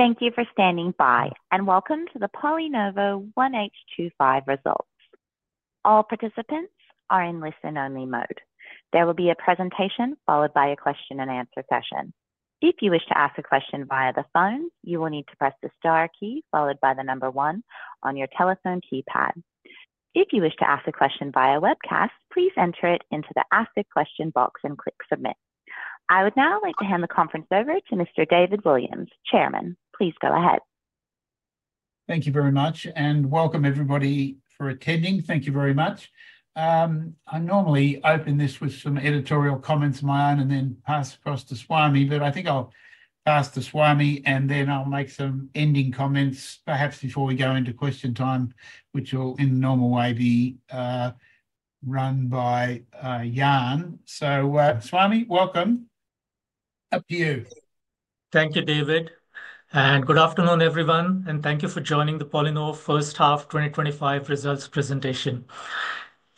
Thank you for standing by, and welcome to the PolyNovo 1H25 Results. All participants are in listen-only mode. There will be a presentation followed by a question-and-answer session. If you wish to ask a question via the phone, you will need to press the star key followed by the number one on your telephone keypad. If you wish to ask a question via webcast, please enter it into the Ask a Question box and click Submit. I would now like to hand the conference over to Mr. David Williams, Chairman. Please go ahead. Thank you very much, and welcome everybody for attending. Thank you very much. I normally open this with some editorial comments of my own and then pass across to Swami, but I think I'll pass to Swami, and then I'll make some ending comments perhaps before we go into question time, which will in the normal way be run by Jan. So, Swami, welcome. Up to you. Thank you, David. Good afternoon, everyone, and thank you for joining the PolyNovo First Half 2025 results presentation.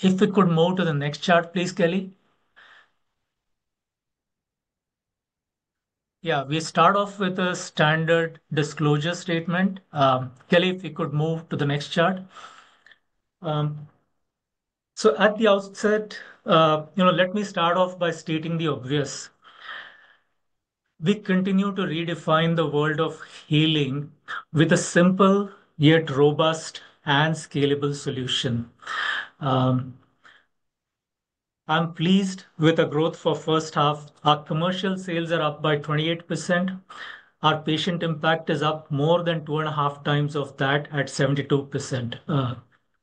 If we could move to the next chart, please, Kelly. Yeah, we start off with a standard disclosure statement. Kelly, if we could move to the next chart. So at the outset, let me start off by stating the obvious. We continue to redefine the world of healing with a simple yet robust and scalable solution. I'm pleased with the growth for first half. Our commercial sales are up by 28%. Our patient impact is up more than two and a half times of that at 72%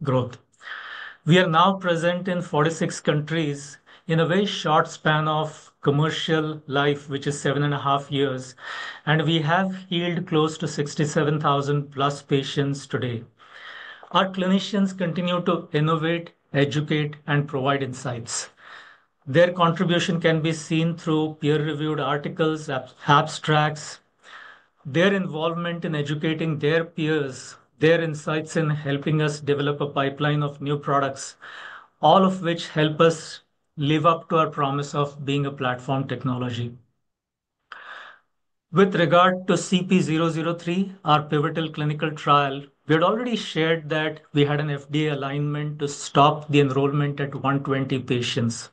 growth. We are now present in 46 countries in a very short span of commercial life, which is seven and a half years, and we have healed close to 67,000 plus patients today. Our clinicians continue to innovate, educate, and provide insights. Their contribution can be seen through peer-reviewed articles, abstracts, their involvement in educating their peers, their insights in helping us develop a pipeline of new products, all of which help us live up to our promise of being a platform technology. With regard to CP003, our pivotal clinical trial, we had already shared that we had an FDA alignment to stop the enrollment at 120 patients.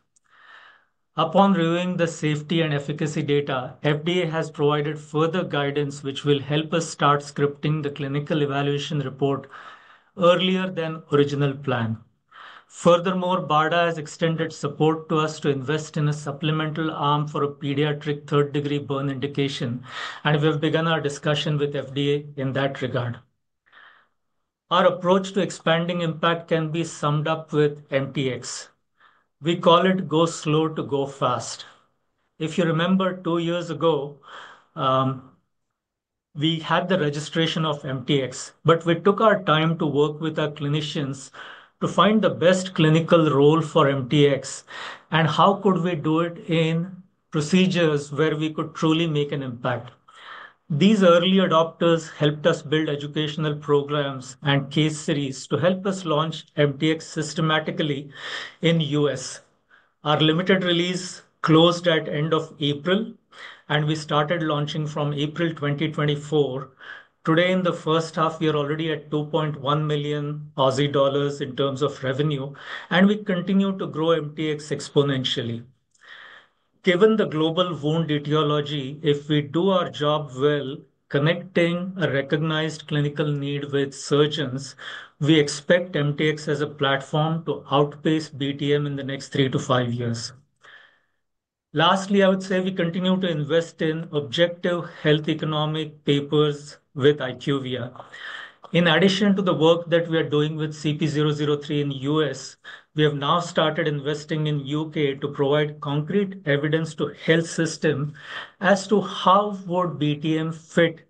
Upon reviewing the safety and efficacy data, FDA has provided further guidance which will help us start scripting the clinical evaluation report earlier than original plan. Furthermore, BARDA has extended support to us to invest in a supplemental arm for a pediatric third-degree burn indication, and we have begun our discussion with FDA in that regard. Our approach to expanding impact can be summed up with MTX. We call it go slow to go fast. If you remember, two years ago, we had the registration of MTX, but we took our time to work with our clinicians to find the best clinical role for MTX and how could we do it in procedures where we could truly make an impact. These early adopters helped us build educational programs and case series to help us launch MTX systematically in the U.S. Our limited release closed at the end of April, and we started launching from April 2024. Today, in the first half, we are already at 2.1 million Aussie dollars in terms of revenue, and we continue to grow MTX exponentially. Given the global wound etiology, if we do our job well, connecting a recognized clinical need with surgeons, we expect MTX as a platform to outpace BTM in the next three to five years. Lastly, I would say we continue to invest in objective health economic papers with IQVIA. In addition to the work that we are doing with CP003 in the U.S., we have now started investing in the U.K. to provide concrete evidence to the health system as to how would BTM fit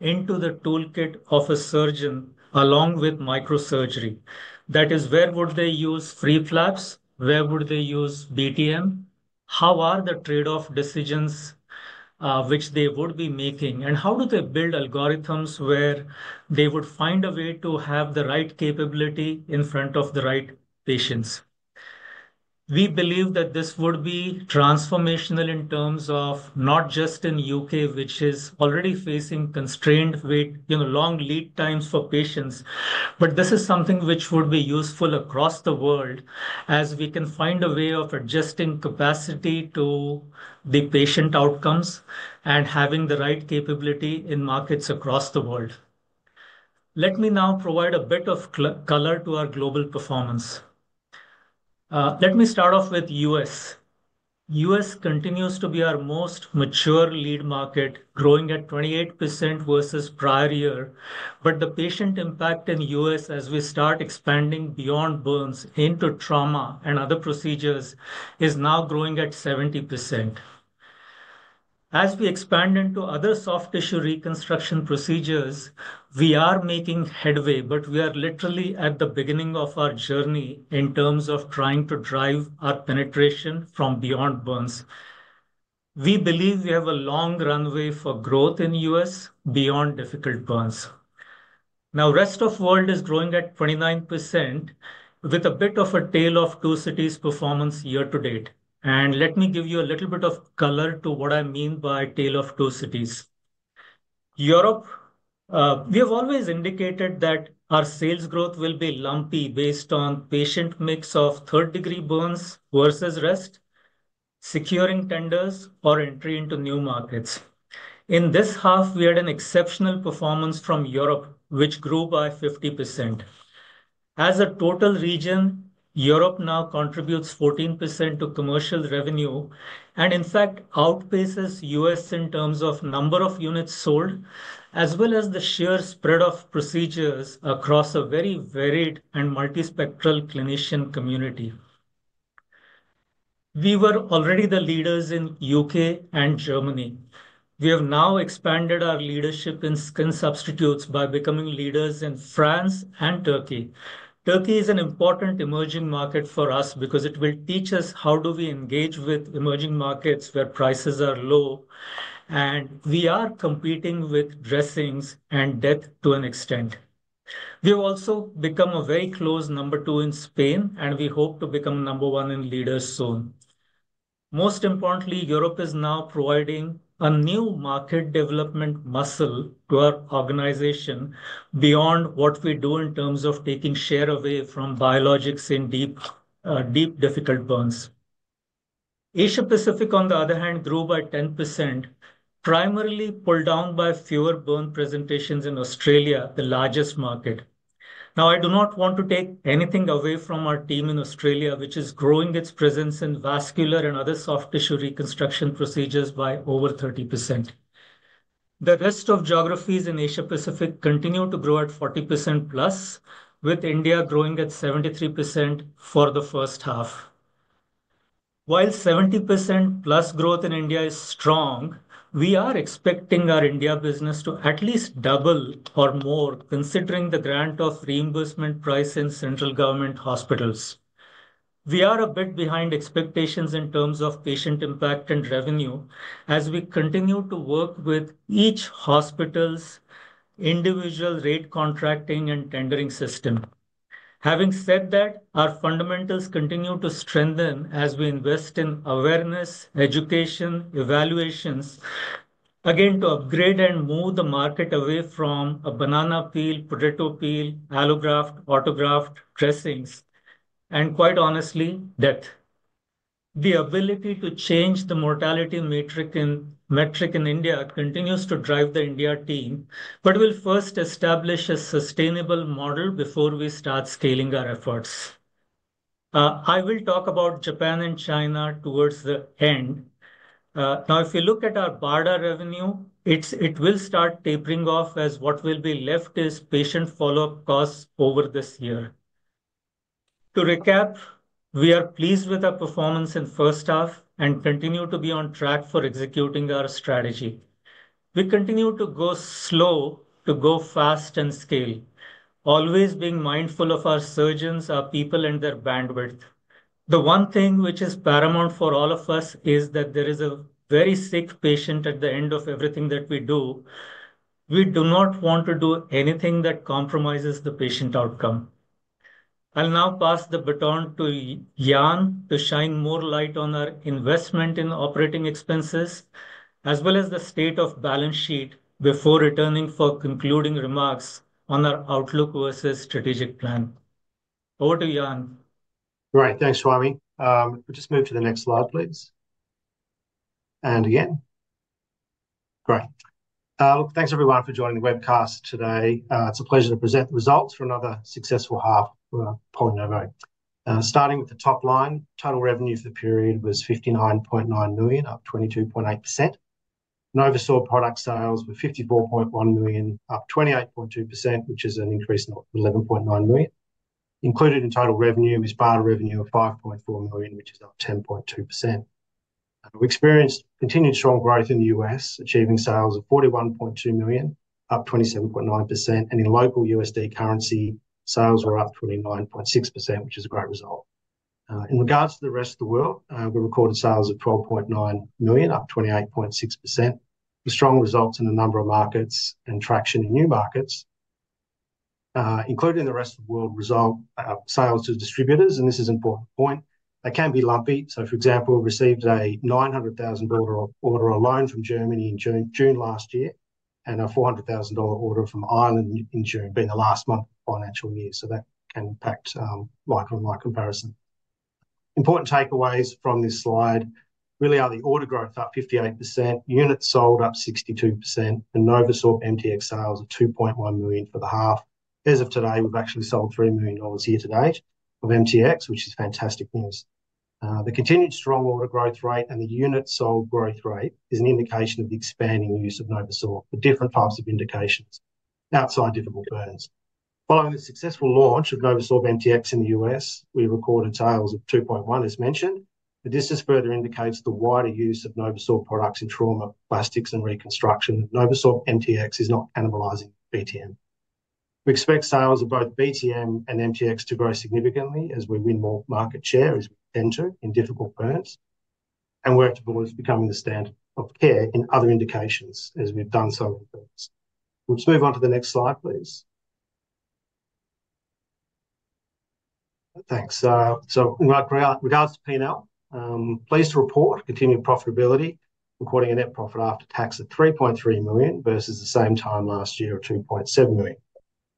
into the toolkit of a surgeon along with microsurgery. That is, where would they use free flaps? Where would they use BTM? How are the trade-off decisions which they would be making? And how do they build algorithms where they would find a way to have the right capability in front of the right patients? We believe that this would be transformational in terms of not just in the U.K., which is already facing constrained wait, you know, long lead times for patients, but this is something which would be useful across the world as we can find a way of adjusting capacity to the patient outcomes and having the right capability in markets across the world. Let me now provide a bit of color to our global performance. Let me start off with the U.S. The U.S. continues to be our most mature lead market, growing at 28% versus the prior year, but the patient impact in the U.S. as we start expanding beyond burns into trauma and other procedures is now growing at 70%. As we expand into other soft tissue reconstruction procedures, we are making headway, but we are literally at the beginning of our journey in terms of trying to drive our penetration from beyond burns. We believe we have a long runway for growth in the U.S. beyond difficult burns. Now, the rest of the world is growing at 29% with a bit of a tale of two cities performance year to date, and let me give you a little bit of color to what I mean by a tale of two cities. Europe, we have always indicated that our sales growth will be lumpy based on the patient mix of third-degree burns versus rest, securing tenders, or entry into new markets. In this half, we had an exceptional performance from Europe, which grew by 50%. As a total region, Europe now contributes 14% to commercial revenue and, in fact, outpaces the U.S. in terms of the number of units sold as well as the sheer spread of procedures across a very varied and multispectral clinician community. We were already the leaders in the U.K. and Germany. We have now expanded our leadership in skin substitutes by becoming leaders in France and Turkey. Turkey is an important emerging market for us because it will teach us how do we engage with emerging markets where prices are low, and we are competing with dressings and death to an extent. We have also become a very close number two in Spain, and we hope to become number one in leaders soon. Most importantly, Europe is now providing a new market development muscle to our organization beyond what we do in terms of taking share away from biologics in deep, deep difficult burns. Asia Pacific, on the other hand, grew by 10%, primarily pulled down by fewer burn presentations in Australia, the largest market. Now, I do not want to take anything away from our team in Australia, which is growing its presence in vascular and other soft tissue reconstruction procedures by over 30%. The rest of geographies in Asia Pacific continue to grow at 40% plus, with India growing at 73% for the first half. While 70% plus growth in India is strong, we are expecting our India business to at least double or more considering the grant of reimbursement price in central government hospitals. We are a bit behind expectations in terms of patient impact and revenue as we continue to work with each hospital's individual rate contracting and tendering system. Having said that, our fundamentals continue to strengthen as we invest in awareness, education, evaluations, again, to upgrade and move the market away from a banana peel, potato peel, allograft, autograft dressings, and quite honestly, death. The ability to change the mortality metric in India continues to drive the India team, but we'll first establish a sustainable model before we start scaling our efforts. I will talk about Japan and China towards the end. Now, if you look at our BARDA revenue, it will start tapering off as what will be left is patient follow-up costs over this year. To recap, we are pleased with our performance in the first half and continue to be on track for executing our strategy. We continue to go slow to go fast and scale, always being mindful of our surgeons, our people, and their bandwidth. The one thing which is paramount for all of us is that there is a very sick patient at the end of everything that we do. We do not want to do anything that compromises the patient outcome. I'll now pass the baton to Jan to shine more light on our investment in operating expenses as well as the state of balance sheet before returning for concluding remarks on our outlook versus strategic plan. Over to Jan. Right. Thanks, Swami. Just move to the next slide, please. And again. Great. Thanks, everyone, for joining the webcast today. It's a pleasure to present the results for another successful half of PolyNovo. Starting with the top line, total revenue for the period was 59.9 million, up 22.8%. NovoSorb product sales were 54.1 million, up 28.2%, which is an increase of 11.9 million. Included in total revenue is BARDA revenue of 5.4 million, which is up 10.2%. We experienced continued strong growth in the U.S., achieving sales of 41.2 million, up 27.9%, and in local USD currency, sales were up 29.6%, which is a great result. In regards to the rest of the world, we recorded sales of 12.9 million, up 28.6%. Strong results in a number of markets and traction in new markets. Included in the rest of the world, sales to distributors, and this is an important point, they can be lumpy. So, for example, we received an 900,000 order alone from Germany in June last year and an 400,000 dollar order from Ireland in June being the last month of the financial year. So that can impact like-on-like comparison. Important takeaways from this slide really are the order growth, up 58%, units sold, up 62%, and NovoSorb MTX sales of 2.1 million for the half. As of today, we've actually sold 3 million dollars year to date of MTX, which is fantastic news. The continued strong order growth rate and the unit sold growth rate is an indication of the expanding use of NovoSorb for different types of indications outside difficult burns. Following the successful launch of NovoSorb MTX in the US, we recorded sales of 2.1, as mentioned. This just further indicates the wider use of NovoSorb products in trauma, plastics, and reconstruction. NovoSorb MTX is not cannibalizing BTM. We expect sales of both BTM and MTX to grow significantly as we win more market share as we tend to in difficult burns and work towards becoming the standard of care in other indications as we've done so in burns. Let's move on to the next slide, please. Thanks. So in regards to P&L, pleased to report continued profitability, recording a net profit after tax of 3.3 million versus the same time last year of 2.7 million.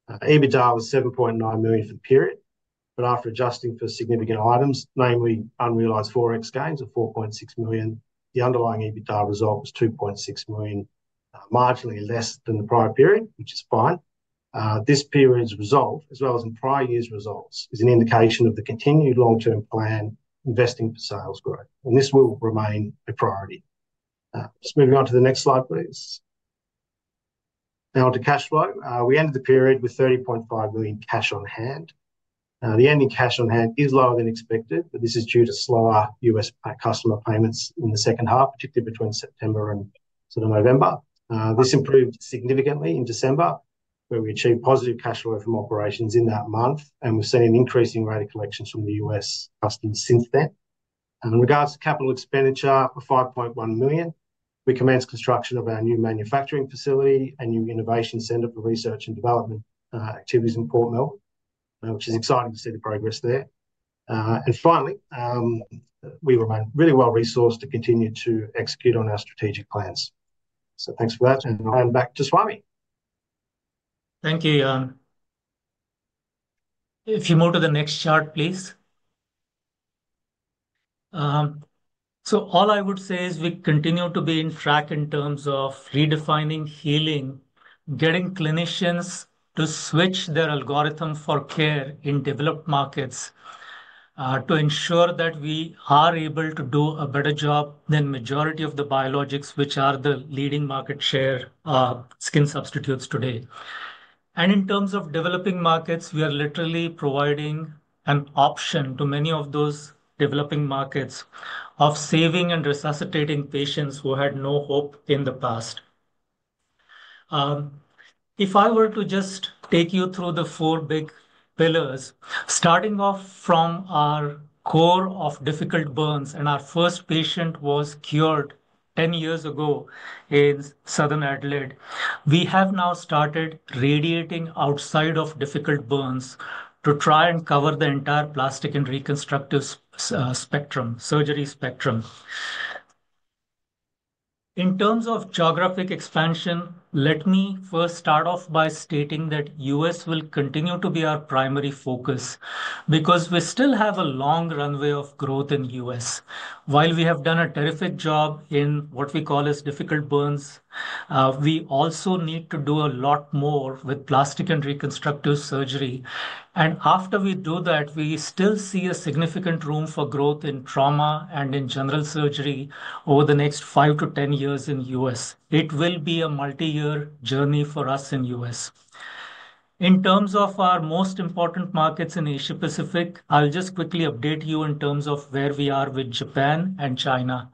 EBITDA was 7.9 million for the period, but after adjusting for significant items, namely unrealized forex gains of 4.6 million, the underlying EBITDA result was 2.6 million, marginally less than the prior period, which is fine. This period's result, as well as in prior years' results, is an indication of the continued long-term plan investing for sales growth, and this will remain a priority. Just moving on to the next slide, please. Now, on to cash flow. We ended the period with 30.5 million cash on hand. The ending cash on hand is lower than expected, but this is due to slower US customer payments in the second half, particularly between September and sort of November. This improved significantly in December, where we achieved positive cash flow from operations in that month, and we've seen an increasing rate of collections from the US customers since then. In regards to capital expenditure, for 5.1 million, we commenced construction of our new manufacturing facility and new innovation center for research and development activities in Port Melbourne, which is exciting to see the progress there. And finally, we remain really well resourced to continue to execute on our strategic plans. So thanks for that, and I'll hand back to Swami. Thank you, Jan. If you move to the next chart, please. So all I would say is we continue to be on track in terms of redefining, healing, getting clinicians to switch their algorithm for care in developed markets to ensure that we are able to do a better job than the majority of the biologics, which are the leading market share skin substitutes today. And in terms of developing markets, we are literally providing an option to many of those developing markets of saving and resuscitating patients who had no hope in the past. If I were to just take you through the four big pillars, starting off from our core of difficult burns, and our first patient was cured 10 years ago in Southern Adelaide, we have now started radiating outside of difficult burns to try and cover the entire plastic and reconstructive spectrum, surgery spectrum. In terms of geographic expansion, let me first start off by stating that the U.S. will continue to be our primary focus because we still have a long runway of growth in the U.S. While we have done a terrific job in what we call difficult burns, we also need to do a lot more with plastic and reconstructive surgery. After we do that, we still see a significant room for growth in trauma and in general surgery over the next five to 10 years in the U.S. It will be a multi-year journey for us in the U.S. In terms of our most important markets in Asia Pacific, I'll just quickly update you in terms of where we are with Japan and China.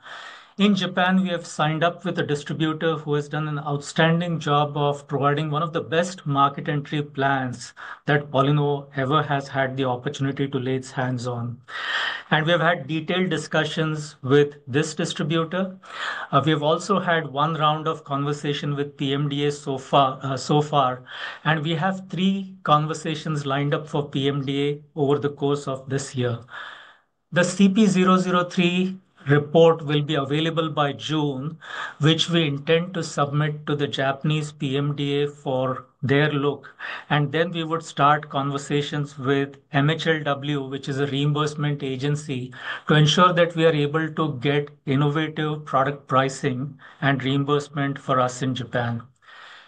In Japan, we have signed up with a distributor who has done an outstanding job of providing one of the best market entry plans that PolyNovo ever has had the opportunity to lay its hands on. And we have had detailed discussions with this distributor. We have also had one round of conversation with PMDA so far, and we have three conversations lined up for PMDA over the course of this year. The CP003 report will be available by June, which we intend to submit to the Japanese PMDA for their look. And then we would start conversations with MHLW, which is a reimbursement agency, to ensure that we are able to get innovative product pricing and reimbursement for us in Japan.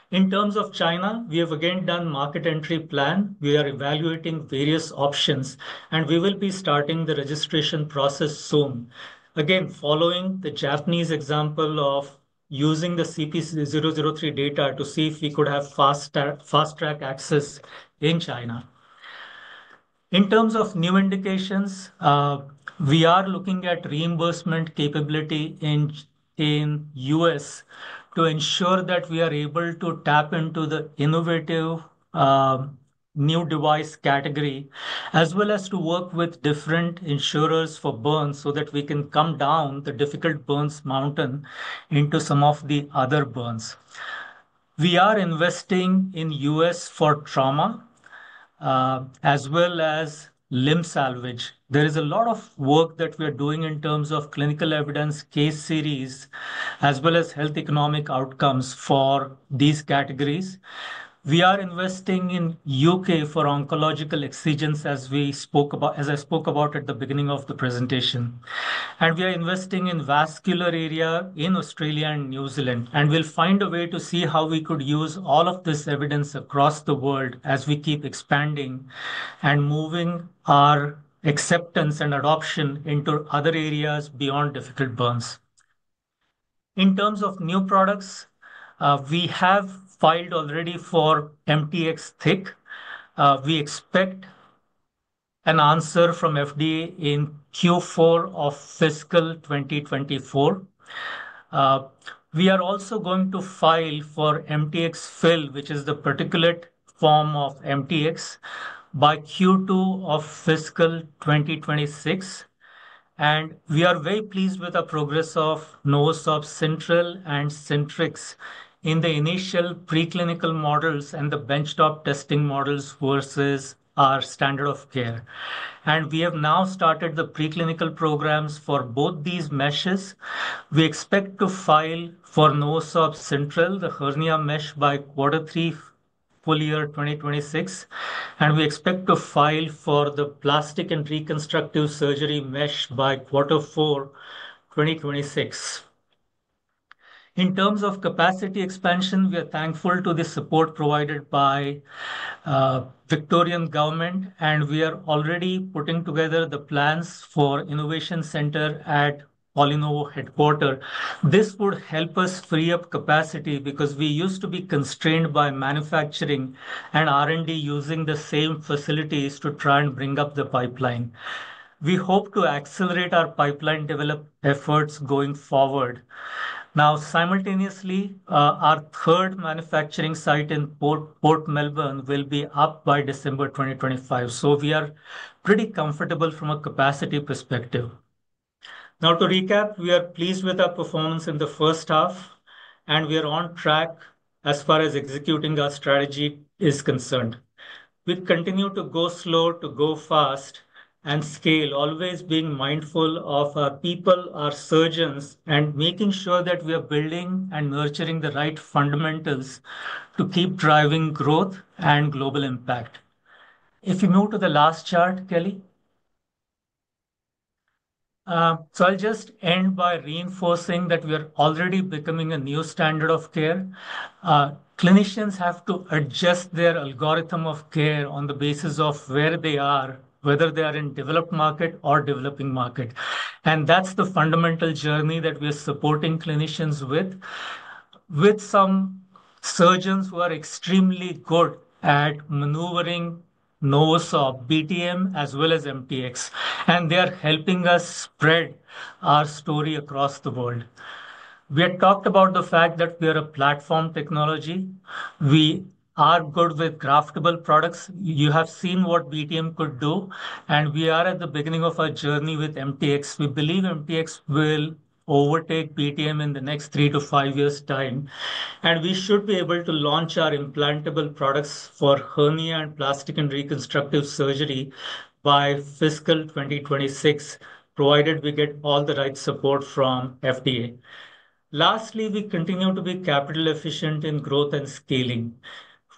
In terms of China, we have again done a market entry plan. We are evaluating various options, and we will be starting the registration process soon. Again, following the Japanese example of using the CP003 data to see if we could have fast-track access in China. In terms of new indications, we are looking at reimbursement capability in the U.S. to ensure that we are able to tap into the innovative new device category, as well as to work with different insurers for burns so that we can come down the difficult burns mountain into some of the other burns. We are investing in U.S. for trauma as well as limb salvage. There is a lot of work that we are doing in terms of clinical evidence, case series, as well as health economic outcomes for these categories. We are investing in the U.K. for oncological excisions, as I spoke about at the beginning of the presentation. We are investing in vascular area in Australia and New Zealand, and we'll find a way to see how we could use all of this evidence across the world as we keep expanding and moving our acceptance and adoption into other areas beyond difficult burns. In terms of new products, we have filed already for MTX Thick. We expect an answer from FDA in Q4 of fiscal 2024. We are also going to file for MTX Fill, which is the particulate form of MTX, by Q2 of fiscal 2026. We are very pleased with the progress of NovoSorb Syntrel and Syntrix in the initial preclinical models and the benchtop testing models versus our standard of care. We have now started the preclinical programs for both these meshes. We expect to file for NovoSorb Syntrel, the hernia mesh, by quarter three full year 2026. We expect to file for the plastic and reconstructive surgery mesh by quarter four 2026. In terms of capacity expansion, we are thankful to the support provided by the Victorian Government, and we are already putting together the plans for the innovation center at PolyNovo headquarters. This would help us free up capacity because we used to be constrained by manufacturing and R&D using the same facilities to try and bring up the pipeline. We hope to accelerate our pipeline development efforts going forward. Now, simultaneously, our third manufacturing site in Port Melbourne will be up by December 2025. So we are pretty comfortable from a capacity perspective. Now, to recap, we are pleased with our performance in the first half, and we are on track as far as executing our strategy is concerned. We continue to go slow, to go fast, and scale, always being mindful of our people, our surgeons, and making sure that we are building and nurturing the right fundamentals to keep driving growth and global impact. If you move to the last chart, Kelly. I'll just end by reinforcing that we are already becoming a new standard of care. Clinicians have to adjust their algorithm of care on the basis of where they are, whether they are in the developed market or developing market, and that's the fundamental journey that we are supporting clinicians with, with some surgeons who are extremely good at maneuvering NovoSorb BTM as well as MTX. They are helping us spread our story across the world. We had talked about the fact that we are a platform technology. We are good with graftable products. You have seen what BTM could do, and we are at the beginning of our journey with MTX. We believe MTX will overtake BTM in the next three to five years' time. And we should be able to launch our implantable products for hernia and plastic and reconstructive surgery by fiscal 2026, provided we get all the right support from FDA. Lastly, we continue to be capital efficient in growth and scaling.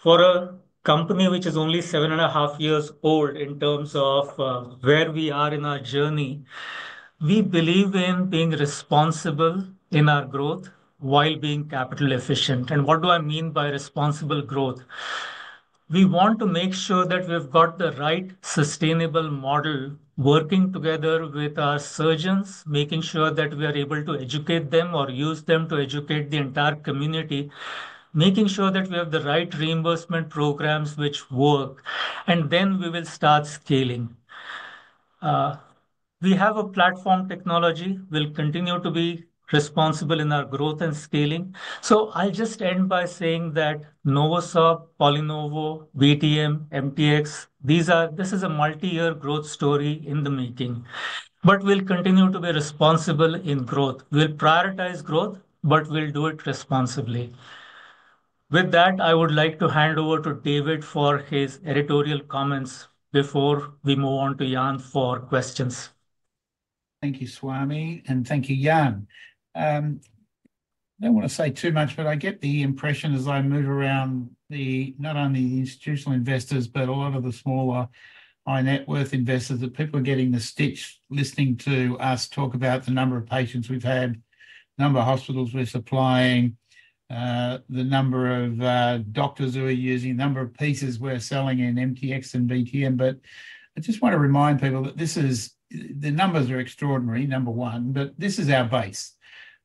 For a company which is only seven and a half years old in terms of where we are in our journey, we believe in being responsible in our growth while being capital efficient. And what do I mean by responsible growth? We want to make sure that we've got the right sustainable model working together with our surgeons, making sure that we are able to educate them or use them to educate the entire community, making sure that we have the right reimbursement programs which work, and then we will start scaling. We have a platform technology. We'll continue to be responsible in our growth and scaling. So I'll just end by saying that NovoSorb, PolyNovo, BTM, MTX, this is a multi-year growth story in the making, but we'll continue to be responsible in growth. We'll prioritize growth, but we'll do it responsibly. With that, I would like to hand over to David for his editorial comments before we move on to Jan for questions. Thank you, Swami, and thank you, Jan. I don't want to say too much, but I get the impression as I move around, not only the institutional investors, but a lot of the smaller high-net-worth investors that people are getting the stitch listening to us talk about the number of patients we've had, the number of hospitals we're supplying, the number of doctors who are using, the number of pieces we're selling in MTX and BTM. But I just want to remind people that these numbers are extraordinary, number one, but this is our base.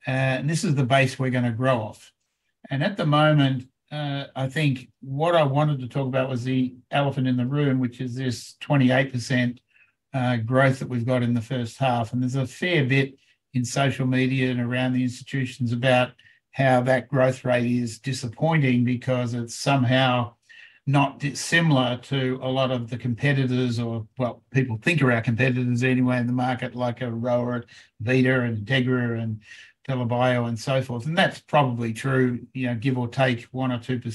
And this is the base we're going to grow off. And at the moment, I think what I wanted to talk about was the elephant in the room, which is this 28% growth that we've got in the first half. There's a fair bit in social media and around the institutions about how that growth rate is disappointing because it's somehow not dissimilar to a lot of the competitors or, well, people think of our competitors anyway in the market, like Aroa, Avita, and Integra, and TELA Bio, and so forth. That's probably true, give or take 1% or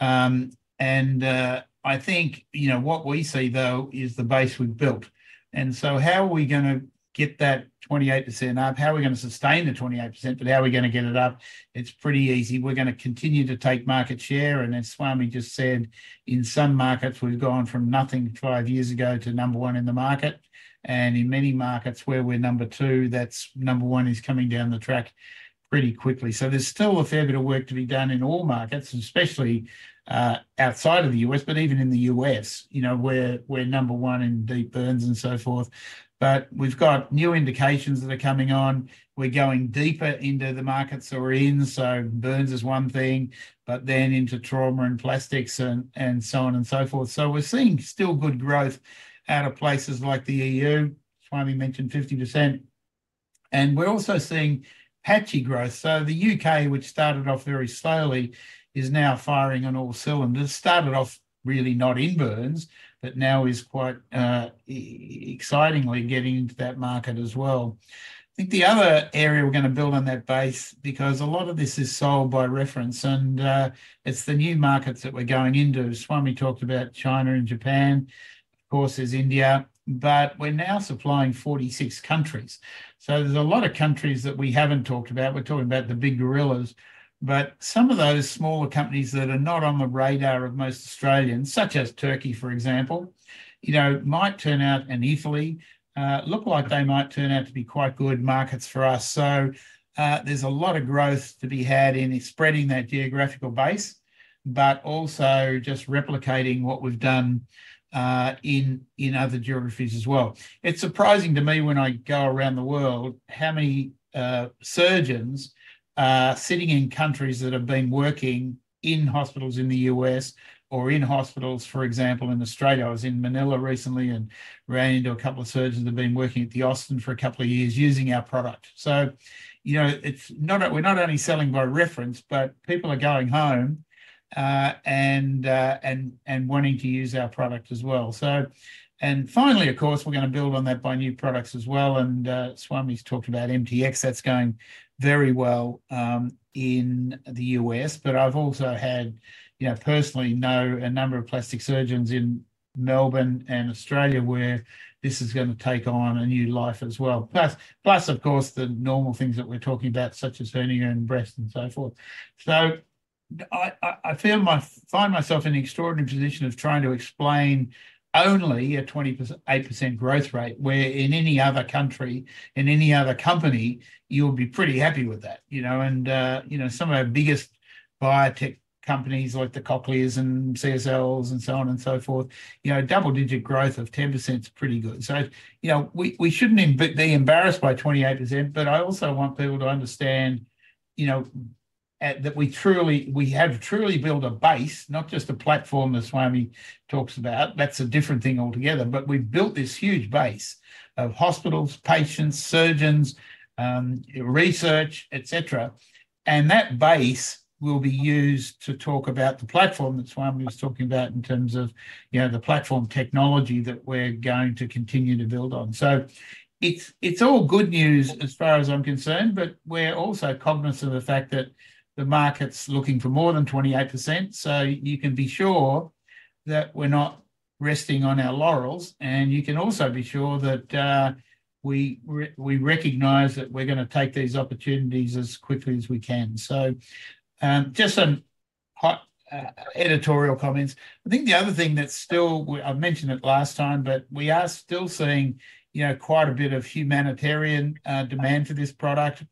2%. I think what we see, though, is the base we've built. How are we going to get that 28% up? How are we going to sustain the 28%? How are we going to get it up? It's pretty easy. We're going to continue to take market share. As Swami just said, in some markets, we've gone from nothing five years ago to number one in the market. And in many markets where we're number two, that's number one is coming down the track pretty quickly. So there's still a fair bit of work to be done in all markets, especially outside of the U.S., but even in the U.S., where we're number one in deep burns and so forth. But we've got new indications that are coming on. We're going deeper into the markets that we're in. So burns is one thing, but then into trauma and plastics and so on and so forth. So we're seeing still good growth out of places like the E.U. Swami mentioned 50%. And we're also seeing patchy growth. So the U.K., which started off very slowly, is now firing on all cylinders. Started off really not in burns, but now is quite excitingly getting into that market as well. I think the other area we're going to build on that base because a lot of this is sold by reference, and it's the new markets that we're going into. Swami talked about China and Japan, of course, and India, but we're now supplying 46 countries. So there's a lot of countries that we haven't talked about. We're talking about the big gorillas. But some of those smaller countries that are not on the radar of most Australians, such as Turkey, for example, might turn out and equally look like they might turn out to be quite good markets for us. So there's a lot of growth to be had in spreading that geographical base, but also just replicating what we've done in other geographies as well. It's surprising to me when I go around the world how many surgeons are sitting in countries that have been working in hospitals in the U.S. or in hospitals, for example, in Australia. I was in Manila recently and ran into a couple of surgeons that have been working at the Austin for a couple of years using our product, so we're not only selling by reference, but people are going home and wanting to use our product as well, and finally, of course, we're going to build on that by new products as well. Swami's talked about MTX. That's going very well in the U.S., but I've also had, personally, a number of plastic surgeons in Melbourne and Australia where this is going to take on a new life as well. Plus, of course, the normal things that we're talking about, such as hernia and breast and so forth. So I find myself in an extraordinary position of trying to explain only a 28% growth rate where in any other country, in any other company, you'll be pretty happy with that. And some of our biggest biotech companies like the Cochlear and CSL and so on and so forth, double-digit growth of 10% is pretty good. So we shouldn't be embarrassed by 28%, but I also want people to understand that we have truly built a base, not just a platform that Swami talks about. That's a different thing altogether. But we've built this huge base of hospitals, patients, surgeons, research, etc. And that base will be used to talk about the platform that Swami was talking about in terms of the platform technology that we're going to continue to build on. So it's all good news as far as I'm concerned, but we're also cognizant of the fact that the market's looking for more than 28%. So you can be sure that we're not resting on our laurels. And you can also be sure that we recognize that we're going to take these opportunities as quickly as we can. So just some hot editorial comments. I think the other thing that's still, I've mentioned it last time, but we are still seeing quite a bit of humanitarian demand for this product.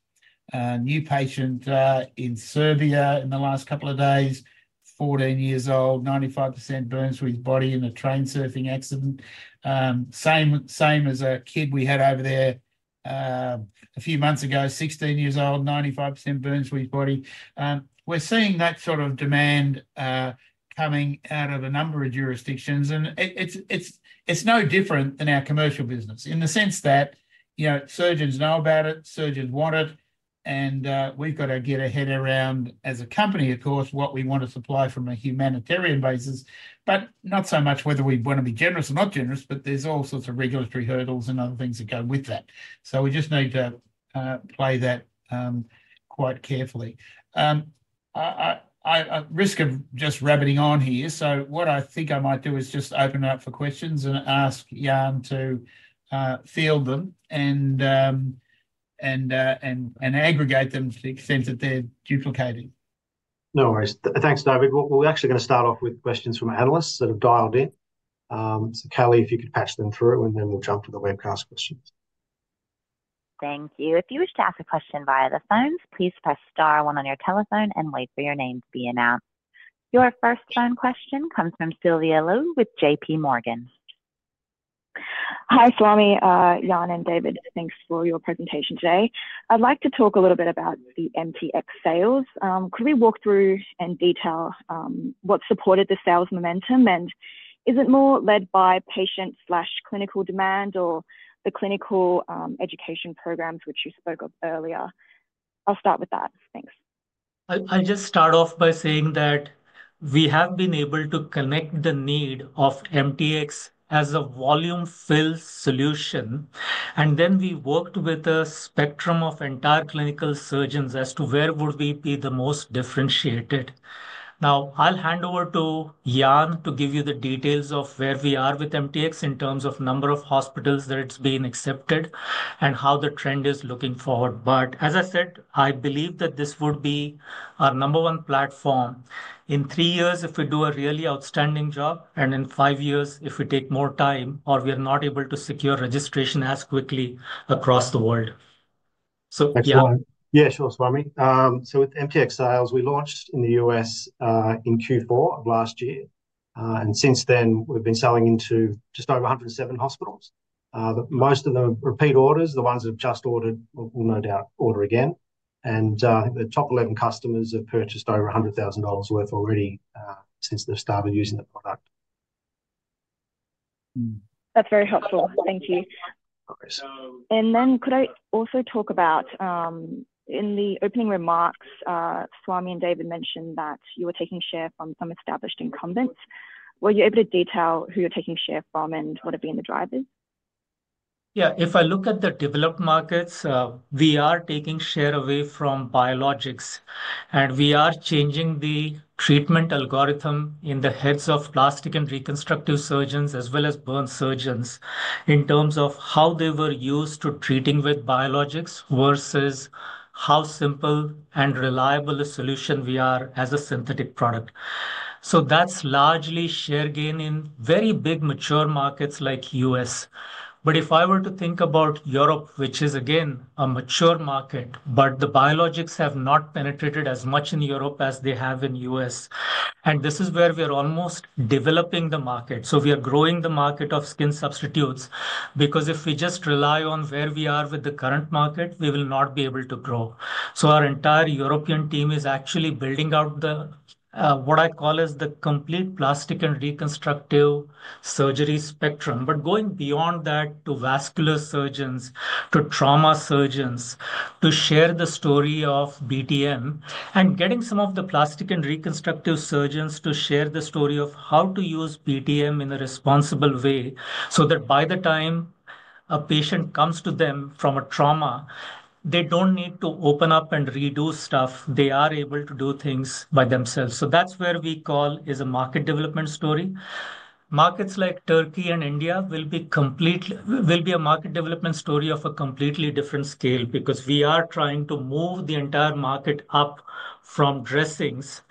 New patient in Serbia in the last couple of days, 14 years old, 95% burns with his body in a train surfing accident. Same as a kid we had over there a few months ago, 16 years old, 95% burns with his body. We're seeing that sort of demand coming out of a number of jurisdictions, and it's no different than our commercial business in the sense that surgeons know about it, surgeons want it. And we've got to get our head around, as a company, of course, what we want to supply from a humanitarian basis, but not so much whether we want to be generous or not generous, but there's all sorts of regulatory hurdles and other things that go with that. So we just need to play that quite carefully. Risk of just rabbiting on here. So what I think I might do is just open it up for questions and ask Jan to field them and aggregate them to the extent that they're duplicated. No worries. Thanks, David. We're actually going to start off with questions from analysts that have dialed in. So Kelly, if you could patch them through, and then we'll jump to the webcast questions. Thank you. If you wish to ask a question via the phone, please press star one on your telephone and wait for your name to be announced. Your first phone question comes from Silvia Luo with J.P. Morgan. Hi, Swami, Jan, and David. Thanks for your presentation today. I'd like to talk a little bit about the MTX sales. Could we walk through in detail what supported the sales momentum, and is it more led by patient/clinical demand or the clinical education programs which you spoke of earlier? I'll start with that. Thanks. I'll just start off by saying that we have been able to connect the need of MTX as a volume-filled solution. And then we worked with a spectrum of entire clinical surgeons as to where would we be the most differentiated. Now, I'll hand over to Jan to give you the details of where we are with MTX in terms of number of hospitals that it's been accepted and how the trend is looking forward. But as I said, I believe that this would be our number one platform in three years if we do a really outstanding job, and in five years if we take more time or we are not able to secure registration as quickly across the world. Yeah, sure, Swami, so with MTX sales, we launched in the U.S. in Q4 of last year, and since then, we've been selling into just over 107 hospitals. Most of the repeat orders, the ones that have just ordered, will no doubt order again, and the top 11 customers have purchased over $100,000 worth already since they've started using the product. That's very helpful. Thank you. And then could I also talk about in the opening remarks, Swami and David mentioned that you were taking share from some established incumbents. Were you able to detail who you're taking share from and what have been the drivers? Yeah. If I look at the developed markets, we are taking share away from biologics. And we are changing the treatment algorithm in the heads of plastic and reconstructive surgeons as well as burn surgeons in terms of how they were used to treating with biologics versus how simple and reliable a solution we are as a synthetic product. So that's largely share gain in very big mature markets like U.S. But if I were to think about Europe, which is, again, a mature market, but the biologics have not penetrated as much in Europe as they have in the U.S. And this is where we are almost developing the market. So we are growing the market of skin substitutes because if we just rely on where we are with the current market, we will not be able to grow. So our entire European team is actually building out what I call as the complete plastic and reconstructive surgery spectrum. But going beyond that to vascular surgeons, to trauma surgeons, to share the story of BTM, and getting some of the plastic and reconstructive surgeons to share the story of how to use BTM in a responsible way so that by the time a patient comes to them from a trauma, they don't need to open up and redo stuff. They are able to do things by themselves. So that's where we call it a market development story. Markets like Turkey and India will be a market development story of a completely different scale because we are trying to move the entire market up from dressings,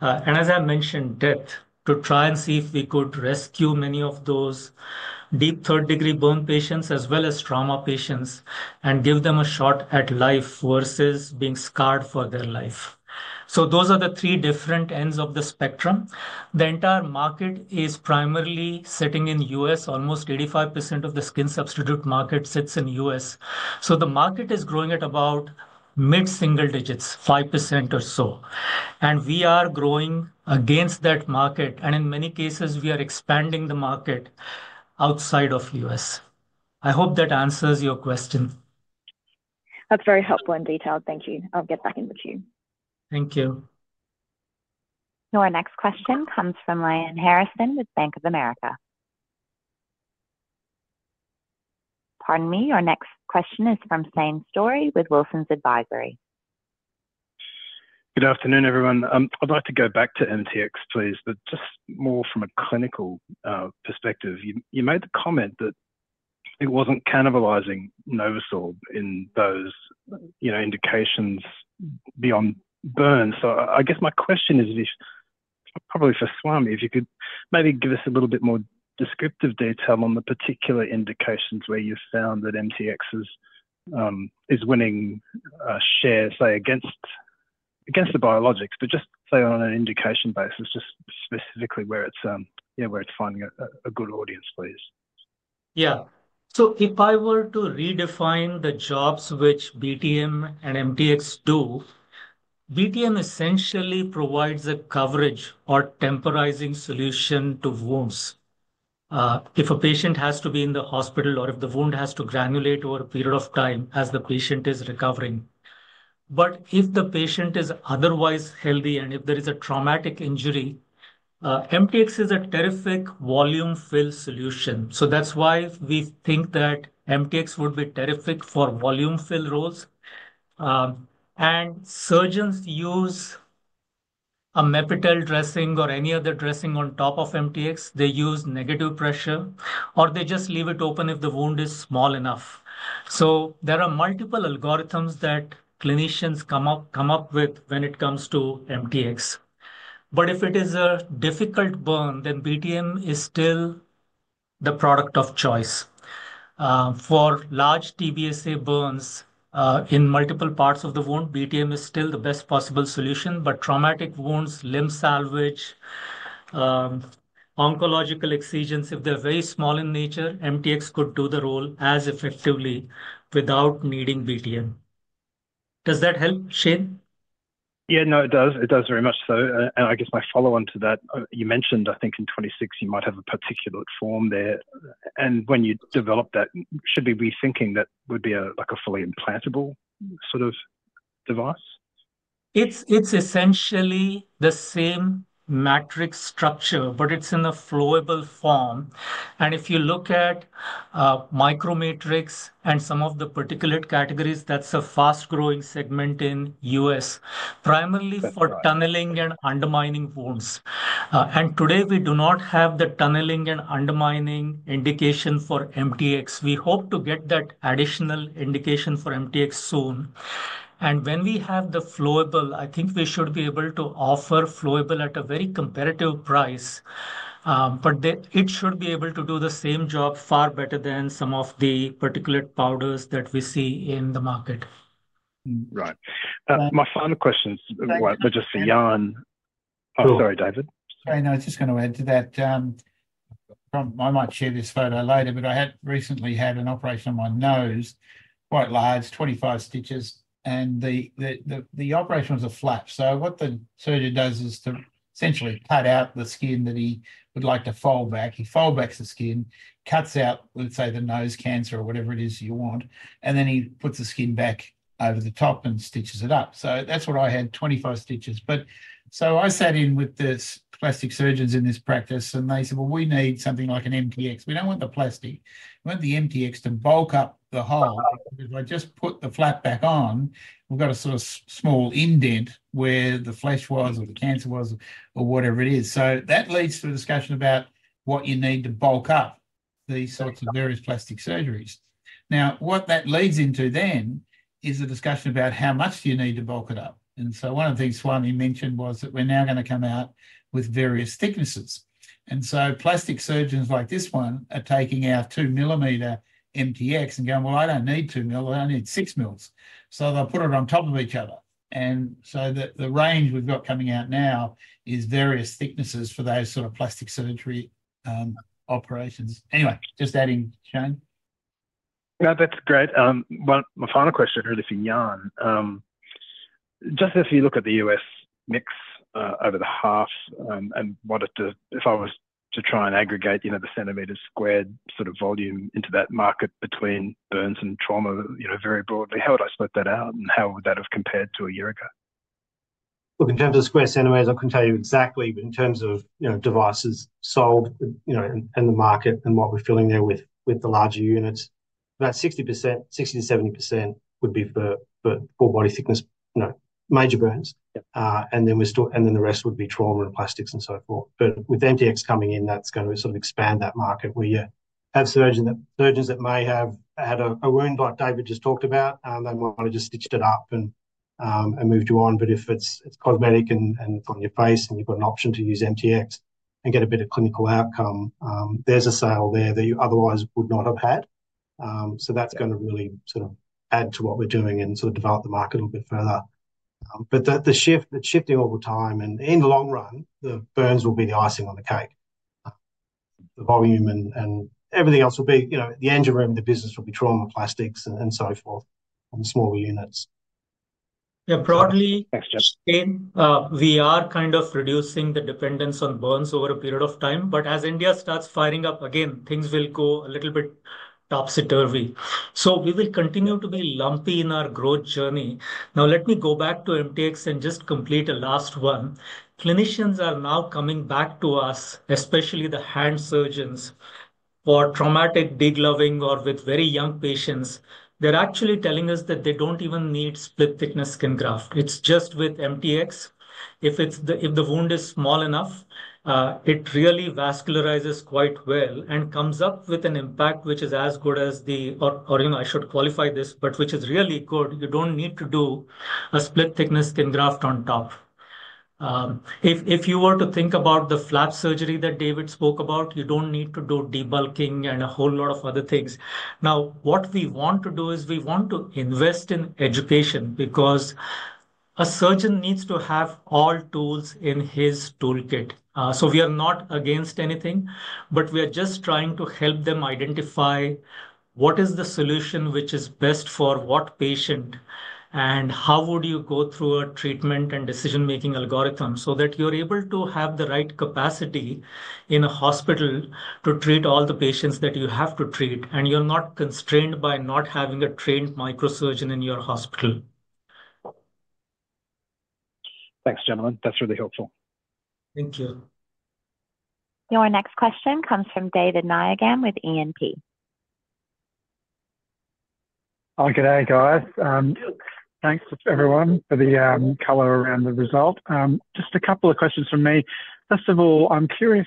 and as I mentioned, death, to try and see if we could rescue many of those deep third-degree burn patients as well as trauma patients and give them a shot at life versus being scarred for their life. So those are the three different ends of the spectrum. The entire market is primarily sitting in the US. Almost 85% of the skin substitute market sits in the US. So the market is growing at about mid-single digits, 5% or so. And we are growing against that market. And in many cases, we are expanding the market outside of the US. I hope that answers your question. That's very helpful and detailed. Thank you. I'll get back in with you. Thank you. So our next question comes from Ryan Harrison with Bank of America. Pardon me. Our next question is from Shane Storey with Wilsons Advisory. Good afternoon, everyone. I'd like to go back to MTX, please, but just more from a clinical perspective. You made the comment that it wasn't cannibalizing NovoSorb in those indications beyond burns. So I guess my question is probably for Swami, if you could maybe give us a little bit more descriptive detail on the particular indications where you found that MTX is winning share, say, against the biologics, but just say on an indication basis, just specifically where it's finding a good audience, please. Yeah. So if I were to redefine the jobs which BTM and MTX do, BTM essentially provides a coverage or temporizing solution to wounds. If a patient has to be in the hospital or if the wound has to granulate over a period of time as the patient is recovering. But if the patient is otherwise healthy and if there is a traumatic injury, MTX is a terrific volume-filled solution. So that's why we think that MTX would be terrific for volume-filled roles. And surgeons use a Mepitel dressing or any other dressing on top of MTX. They use negative pressure, or they just leave it open if the wound is small enough. So there are multiple algorithms that clinicians come up with when it comes to MTX. But if it is a difficult burn, then BTM is still the product of choice. For large TBSA burns in multiple parts of the wound, BTM is still the best possible solution. But traumatic wounds, limb salvage, oncological excisions, if they're very small in nature, MTX could do the role as effectively without needing BTM. Does that help, Shane? Yeah, no, it does. It does very much so. And I guess my follow-on to that, you mentioned, I think in 2026, you might have a particular form there. And when you develop that, should be rethinking that would be like a fully implantable sort of device? It's essentially the same matrix structure, but it's in a flowable form. And if you look at MicroMatrix and some of the particulate categories, that's a fast-growing segment in the U.S., primarily for tunneling and undermining wounds. And today, we do not have the tunneling and undermining indication for MTX. We hope to get that additional indication for MTX soon. And when we have the flowable, I think we should be able to offer flowable at a very competitive price. But it should be able to do the same job far better than some of the particulate powders that we see in the market. Right. My final question was just for Jan. Oh, sorry, David. Sorry, no, I was just going to add to that. I might share this photo later, but I had recently had an operation on my nose, quite large, 25 stitches, and the operation was a flap, so what the surgeon does is to essentially cut out the skin that he would like to fold back. He folds back the skin, cuts out, let's say, the nose cancer or whatever it is you want, and then he puts the skin back over the top and stitches it up, so that's what I had, 25 stitches, so I sat in with the plastic surgeons in this practice, and they said, "Well, we need something like an MTX. We don't want the plastic. We want the MTX to bulk up the whole. If I just put the flap back on, we've got a sort of small indent where the flesh was or the cancer was or whatever it is. So that leads to a discussion about what you need to bulk up these sorts of various plastic surgeries. Now, what that leads into then is a discussion about how much do you need to bulk it up. And so one of the things Swami mentioned was that we're now going to come out with various thicknesses. And so plastic surgeons like this one are taking out two-millimeter MTX and going, "Well, I don't need two. I only need six." So they'll put it on top of each other. And so the range we've got coming out now is various thicknesses for those sort of plastic surgery operations. Anyway, just adding, Shane? No, that's great. My final question really for Jan. Just as you look at the U.S. mix over the half and wanted to, if I was to try and aggregate the centimeters squared sort of volume into that market between burns and trauma very broadly, how would I split that out? And how would that have compared to a year ago? Look, in terms of square centimeters, I can tell you exactly. But in terms of devices sold and the market and what we're filling there with the larger units, about 60%, 60%-70% would be for full-thickness, major burns. And then the rest would be trauma and plastics and so forth. But with MTX coming in, that's going to sort of expand that market where you have surgeons that may have had a wound like David just talked about. They might have just stitched it up and moved you on. But if it's cosmetic and it's on your face and you've got an option to use MTX and get a better clinical outcome, there's a sale there that you otherwise would not have had. So that's going to really sort of add to what we're doing and sort of develop the market a little bit further. But the shifting over time and in the long run, the burns will be the icing on the cake. The volume and everything else will be the engine room. The business will be trauma, plastics, and so forth on the smaller units. Yeah, broadly, Shane, we are kind of reducing the dependence on burns over a period of time. But as India starts firing up again, things will go a little bit topsy-turvy. So we will continue to be lumpy in our growth journey. Now, let me go back to MTX and just complete a last one. Clinicians are now coming back to us, especially the hand surgeons for traumatic degloving or with very young patients. They're actually telling us that they don't even need split-thickness skin graft. It's just with MTX. If the wound is small enough, it really vascularizes quite well and comes up with an impact which is as good as the, or I should qualify this, but which is really good. You don't need to do a split-thickness skin graft on top. If you were to think about the flap surgery that David spoke about, you don't need to do debulking and a whole lot of other things. Now, what we want to do is we want to invest in education because a surgeon needs to have all tools in his toolkit. So, we are not against anything, but we are just trying to help them identify what is the solution which is best for what patient and how would you go through a treatment and decision-making algorithm so that you're able to have the right capacity in a hospital to treat all the patients that you have to treat and you're not constrained by not having a trained microsurgeon in your hospital. Thanks, gentlemen. That's really helpful. Thank you. So our next question comes from David Nayagam with E&P. Hi, good day, guys. Thanks, everyone, for the color around the result. Just a couple of questions for me. First of all, I'm curious,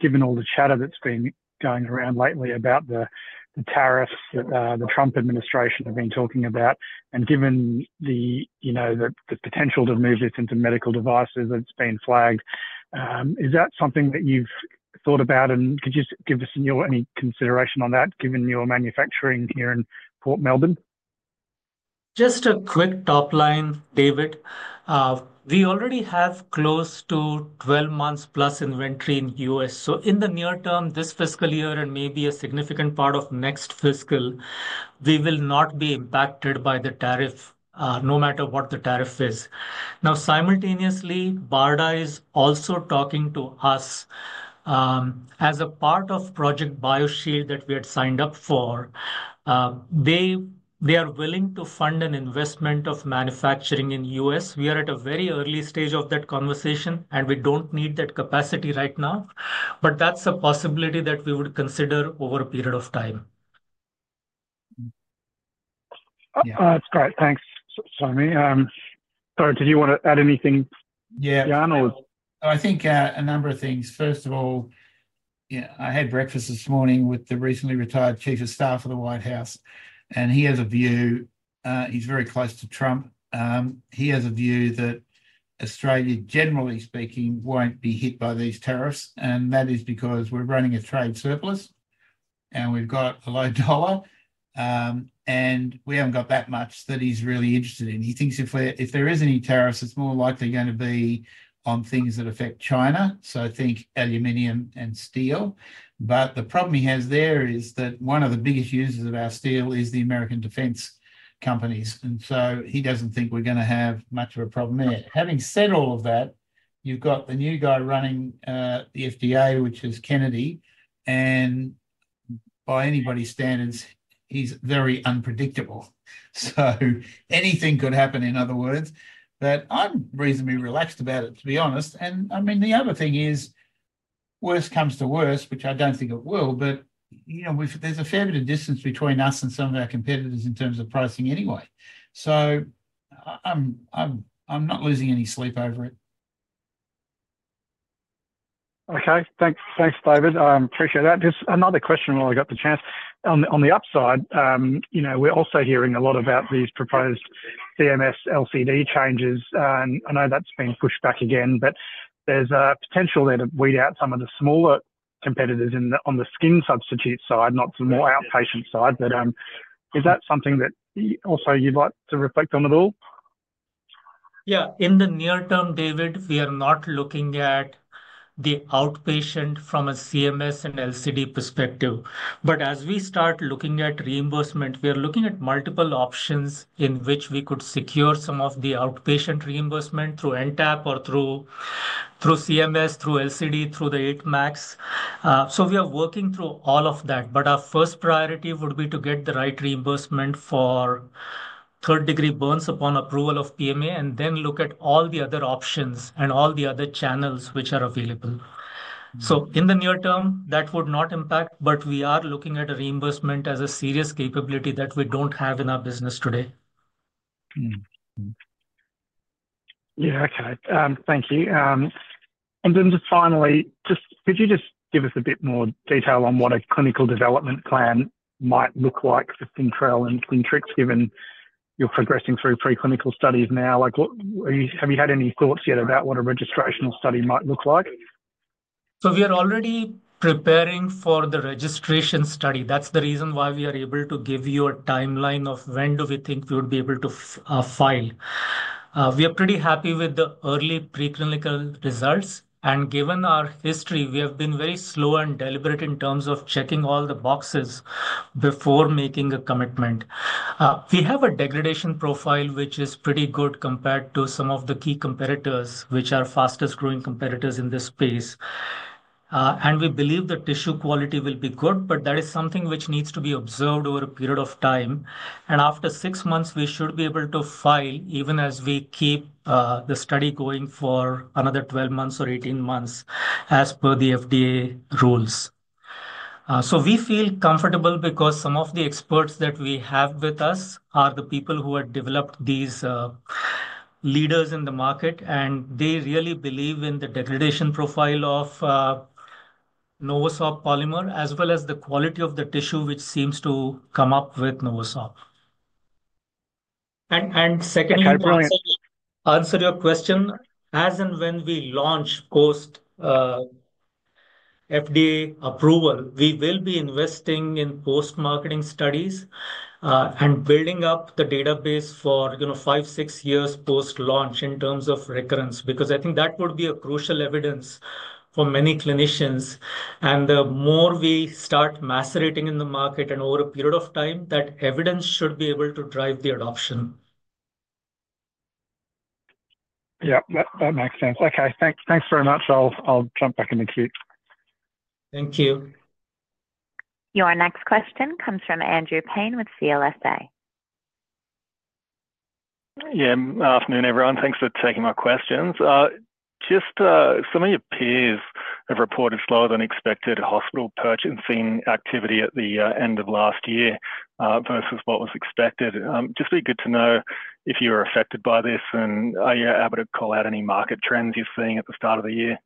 given all the chatter that's been going around lately about the tariffs that the Trump administration have been talking about, and given the potential to move this into medical devices that's been flagged, is that something that you've thought about, and could you give us any consideration on that, given your manufacturing here in Port Melbourne? Just a quick top line, David. We already have close to 12 months plus inventory in the U.S. So in the near term, this fiscal year and maybe a significant part of next fiscal, we will not be impacted by the tariff no matter what the tariff is. Now, simultaneously, BARDA is also talking to us. As a part of Project BioShield that we had signed up for, they are willing to fund an investment of manufacturing in the U.S. We are at a very early stage of that conversation, and we don't need that capacity right now. But that's a possibility that we would consider over a period of time. That's great. Thanks, Swami. Jan, did you want to add anything? Yeah. I think a number of things. First of all, I had breakfast this morning with the recently retired Chief of Staff of the White House. And he has a view he's very close to Trump. He has a view that Australia, generally speaking, won't be hit by these tariffs. And that is because we're running a trade surplus, and we've got a low dollar. And we haven't got that much that he's really interested in. He thinks if there is any tariffs, it's more likely going to be on things that affect China. So I think aluminum and steel. But the problem he has there is that one of the biggest users of our steel is the American defense companies. And so he doesn't think we're going to have much of a problem there. Having said all of that, you've got the new guy running the FDA, which is Kennedy. And by anybody's standards, he's very unpredictable. So anything could happen, in other words. But I'm reasonably relaxed about it, to be honest. And I mean, the other thing is worse comes to worse, which I don't think it will, but there's a fair bit of distance between us and some of our competitors in terms of pricing anyway. So I'm not losing any sleep over it. Okay. Thanks, David. I appreciate that. Just another question while I got the chance. On the upside, we're also hearing a lot about these proposed CMS LCD changes. And I know that's been pushed back again, but there's a potential there to weed out some of the smaller competitors on the skin substitute side, not the more outpatient side. But is that something that also you'd like to reflect on at all? Yeah. In the near term, David, we are not looking at the outpatient from a CMS and LCD perspective. But as we start looking at reimbursement, we are looking at multiple options in which we could secure some of the outpatient reimbursement through NTAP or through CMS, through LCD, through the MACs. So we are working through all of that. But our first priority would be to get the right reimbursement for third-degree burns upon approval of PMA and then look at all the other options and all the other channels which are available. So in the near term, that would not impact, but we are looking at a reimbursement as a serious capability that we don't have in our business today. Yeah, okay. Thank you. And then just finally, could you just give us a bit more detail on what a clinical development plan might look like for Syntrel and Syntrix given you're progressing through preclinical studies now? Have you had any thoughts yet about what a registrational study might look like? So we are already preparing for the registration study. That's the reason why we are able to give you a timeline of when do we think we would be able to file. We are pretty happy with the early preclinical results. And given our history, we have been very slow and deliberate in terms of checking all the boxes before making a commitment. We have a degradation profile, which is pretty good compared to some of the key competitors, which are fastest-growing competitors in this space. And we believe the tissue quality will be good, but that is something which needs to be observed over a period of time. And after six months, we should be able to file, even as we keep the study going for another 12 months or 18 months as per the FDA rules. We feel comfortable because some of the experts that we have with us are the people who have developed these leaders in the market, and they really believe in the degradation profile of NovoSorb polymer as well as the quality of the tissue which seems to come up with NovoSorb. And secondly, to answer your question, as and when we launch post-FDA approval, we will be investing in post-marketing studies and building up the database for five, six years post-launch in terms of recurrence because I think that would be crucial evidence for many clinicians. And the more we start penetrating in the market and over a period of time, that evidence should be able to drive the adoption. Yeah, that makes sense. Okay, thanks very much. I'll jump back in the queue. Thank you. Your next question comes from Andrew Paine with CLSA. Good afternoon, everyone. Thanks for taking my questions. Just some of your peers have reported slower than expected hospital purchasing activity at the end of last year versus what was expected. Just be good to know if you were affected by this and are you able to call out any market trends you're seeing at the start of the year?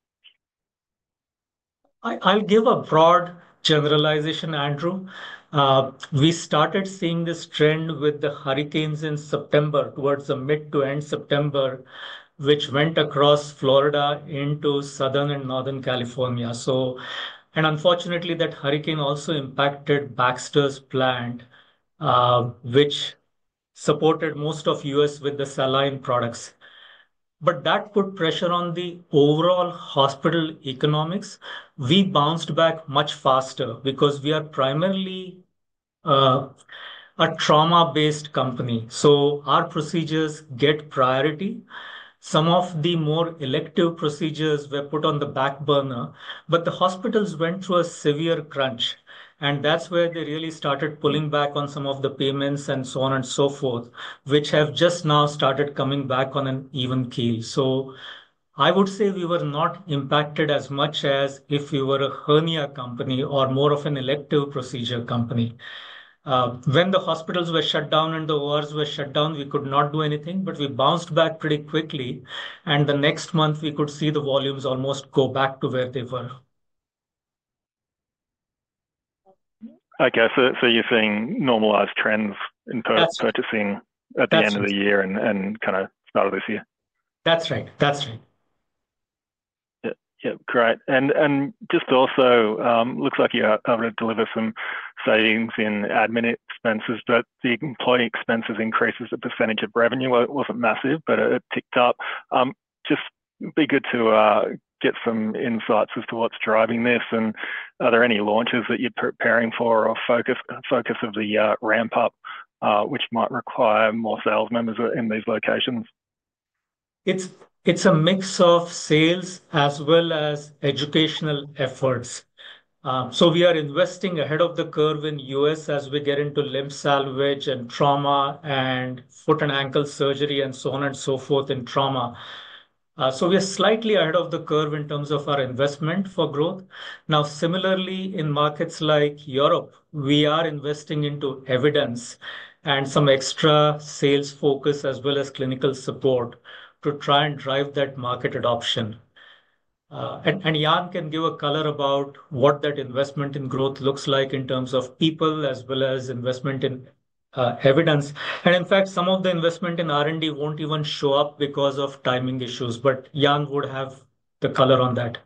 I'll give a broad generalization, Andrew. We started seeing this trend with the hurricanes in September towards the mid to end September, which went across Florida into southern and Northern Carolina, and unfortunately, that hurricane also impacted Baxter's plant, which supported most of the U.S. with the saline products. But that put pressure on the overall hospital economics. We bounced back much faster because we are primarily a trauma-based company. So our procedures get priority. Some of the more elective procedures were put on the back burner. But the hospitals went through a severe crunch, and that's where they really started pulling back on some of the payments and so on and so forth, which have just now started coming back on an even keel. So I would say we were not impacted as much as if we were a hernia company or more of an elective procedure company. When the hospitals were shut down and the wards were shut down, we could not do anything. But we bounced back pretty quickly. And the next month, we could see the volumes almost go back to where they were. Okay. So you're seeing normalized trends in purchasing at the end of the year and kind of start of this year? That's right. That's right. Yeah, great. And just also, it looks like you're able to deliver some savings in admin expenses, but the employee expenses increases the percentage of revenue. It wasn't massive, but it ticked up. Just be good to get some insights as to what's driving this. And are there any launches that you're preparing for or focus of the ramp-up, which might require more sales members in these locations? It's a mix of sales as well as educational efforts. So we are investing ahead of the curve in the U.S. as we get into limb salvage and trauma and foot and ankle surgery and so on and so forth in trauma. We are slightly ahead of the curve in terms of our investment for growth. Now, similarly, in markets like Europe, we are investing into evidence and some extra sales focus as well as clinical support to try and drive that market adoption. Jan can give a color about what that investment in growth looks like in terms of people as well as investment in evidence. In fact, some of the investment in R&D won't even show up because of timing issues. Jan would have the color on that.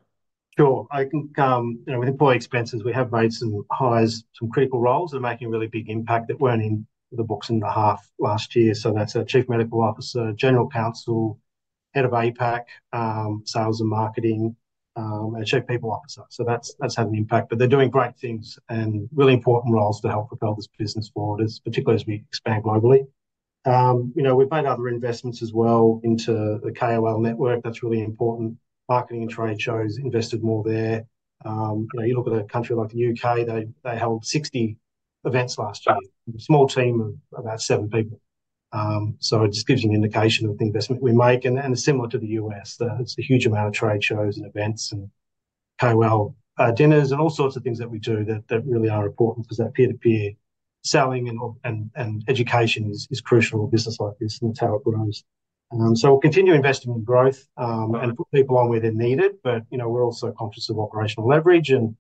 Sure. I think with employee expenses, we have made some hires, some critical roles that are making a really big impact that weren't in the books in the first half last year. So that's a Chief Medical Officer, General Counsel, Head of APAC Sales and Marketing, and Chief People Officer. So that's had an impact, but they're doing great things and really important roles to help propel this business forward, particularly as we expand globally. We've made other investments as well into the KOL network. That's really important. We invested more in marketing and trade shows. You look at a country like the UK. They held 60 events last year, a small team of about seven people. So it just gives you an indication of the investment we make, and it's similar to the U.S. It's a huge amount of trade shows and events and KOL dinners and all sorts of things that we do that really are important because that peer-to-peer selling and education is crucial in a business like this, and that's how it grows. So we'll continue investing in growth and put people on where they're needed. But we're also conscious of operational leverage and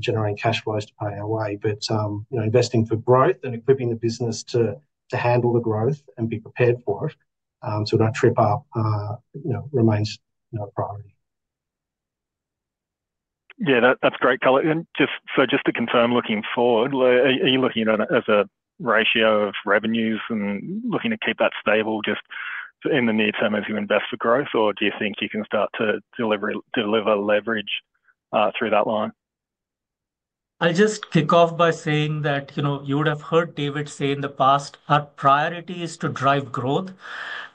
generating cash flows to pay our way. But investing for growth and equipping the business to handle the growth and be prepared for it so we don't trip up remains a priority. Yeah, that's great color. So just to confirm, looking forward, are you looking at it as a ratio of revenues and looking to keep that stable just in the near term as you invest for growth, or do you think you can start to deliver leverage through that line? I'll just kick off by saying that you would have heard David say in the past, our priority is to drive growth.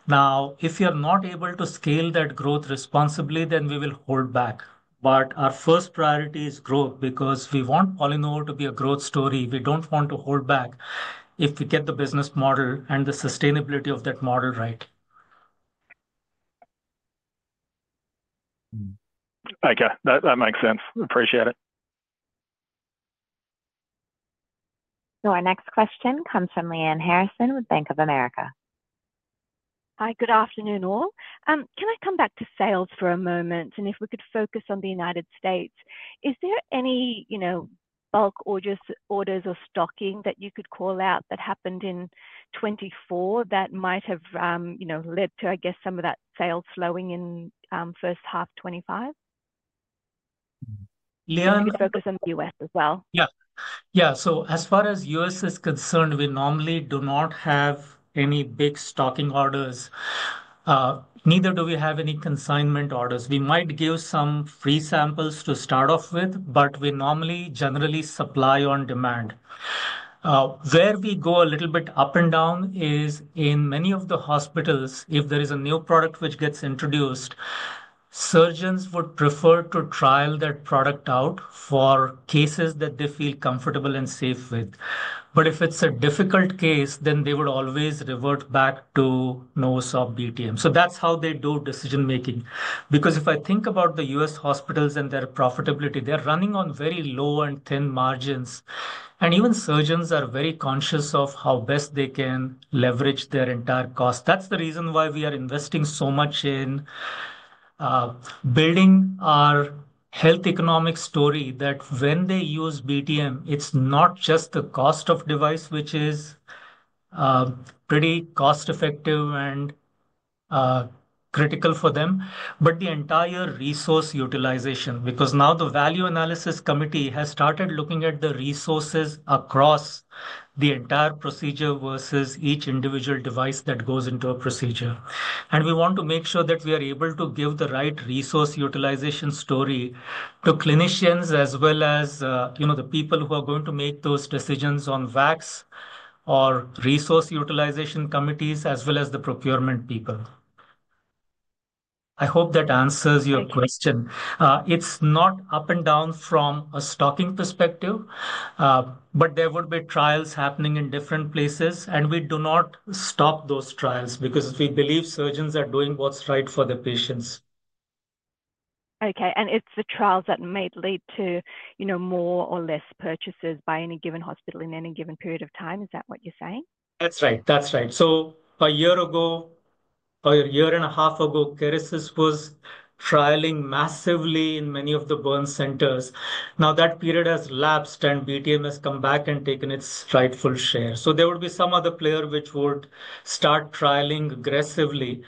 Now, if you're not able to scale that growth responsibly, then we will hold back. But our first priority is growth because we want PolyNovo to be a growth story. We don't want to hold back if we get the business model and the sustainability of that model right. Okay. That makes sense. Appreciate it. Our next question comes from Lyanne Harrison with Bank of America. Hi, good afternoon all. Can I come back to sales for a moment? And if we could focus on the United States, is there any bulk orders or stocking that you could call out that happened in 2024 that might have led to, I guess, some of that sales slowing in first half 2025? Lyanne? Maybe focus on the U.S. as well. Yeah. Yeah. So as far as the U.S. is concerned, we normally do not have any big stocking orders. Neither do we have any consignment orders. We might give some free samples to start off with, but we normally generally supply on demand. Where we go a little bit up and down is in many of the hospitals, if there is a new product which gets introduced, surgeons would prefer to trial that product out for cases that they feel comfortable and safe with. But if it's a difficult case, then they would always revert back to NovoSorb BTM. So that's how they do decision-making. Because if I think about the U.S. hospitals and their profitability, they're running on very low and thin margins. And even surgeons are very conscious of how best they can leverage their entire cost. That's the reason why we are investing so much in building our health economic story that when they use BTM, it's not just the cost of the device, which is pretty cost-effective and critical for them, but the entire resource utilization because now the Value Analysis Committee has started looking at the resources across the entire procedure versus each individual device that goes into a procedure, and we want to make sure that we are able to give the right resource utilization story to clinicians as well as the people who are going to make those decisions on VACs or resource utilization committees as well as the procurement people. I hope that answers your question. It's not up and down from a stocking perspective, but there would be trials happening in different places. We do not stop those trials because we believe surgeons are doing what's right for the patients. Okay, and it's the trials that may lead to more or less purchases by any given hospital in any given period of time. Is that what you're saying? That's right. That's right. So a year ago, a year and a half ago, Kerecis was trialing massively in many of the burn centers. Now, that period has lapsed, and BTM has come back and taken its rightful share. So there would be some other player which would start trialing aggressively.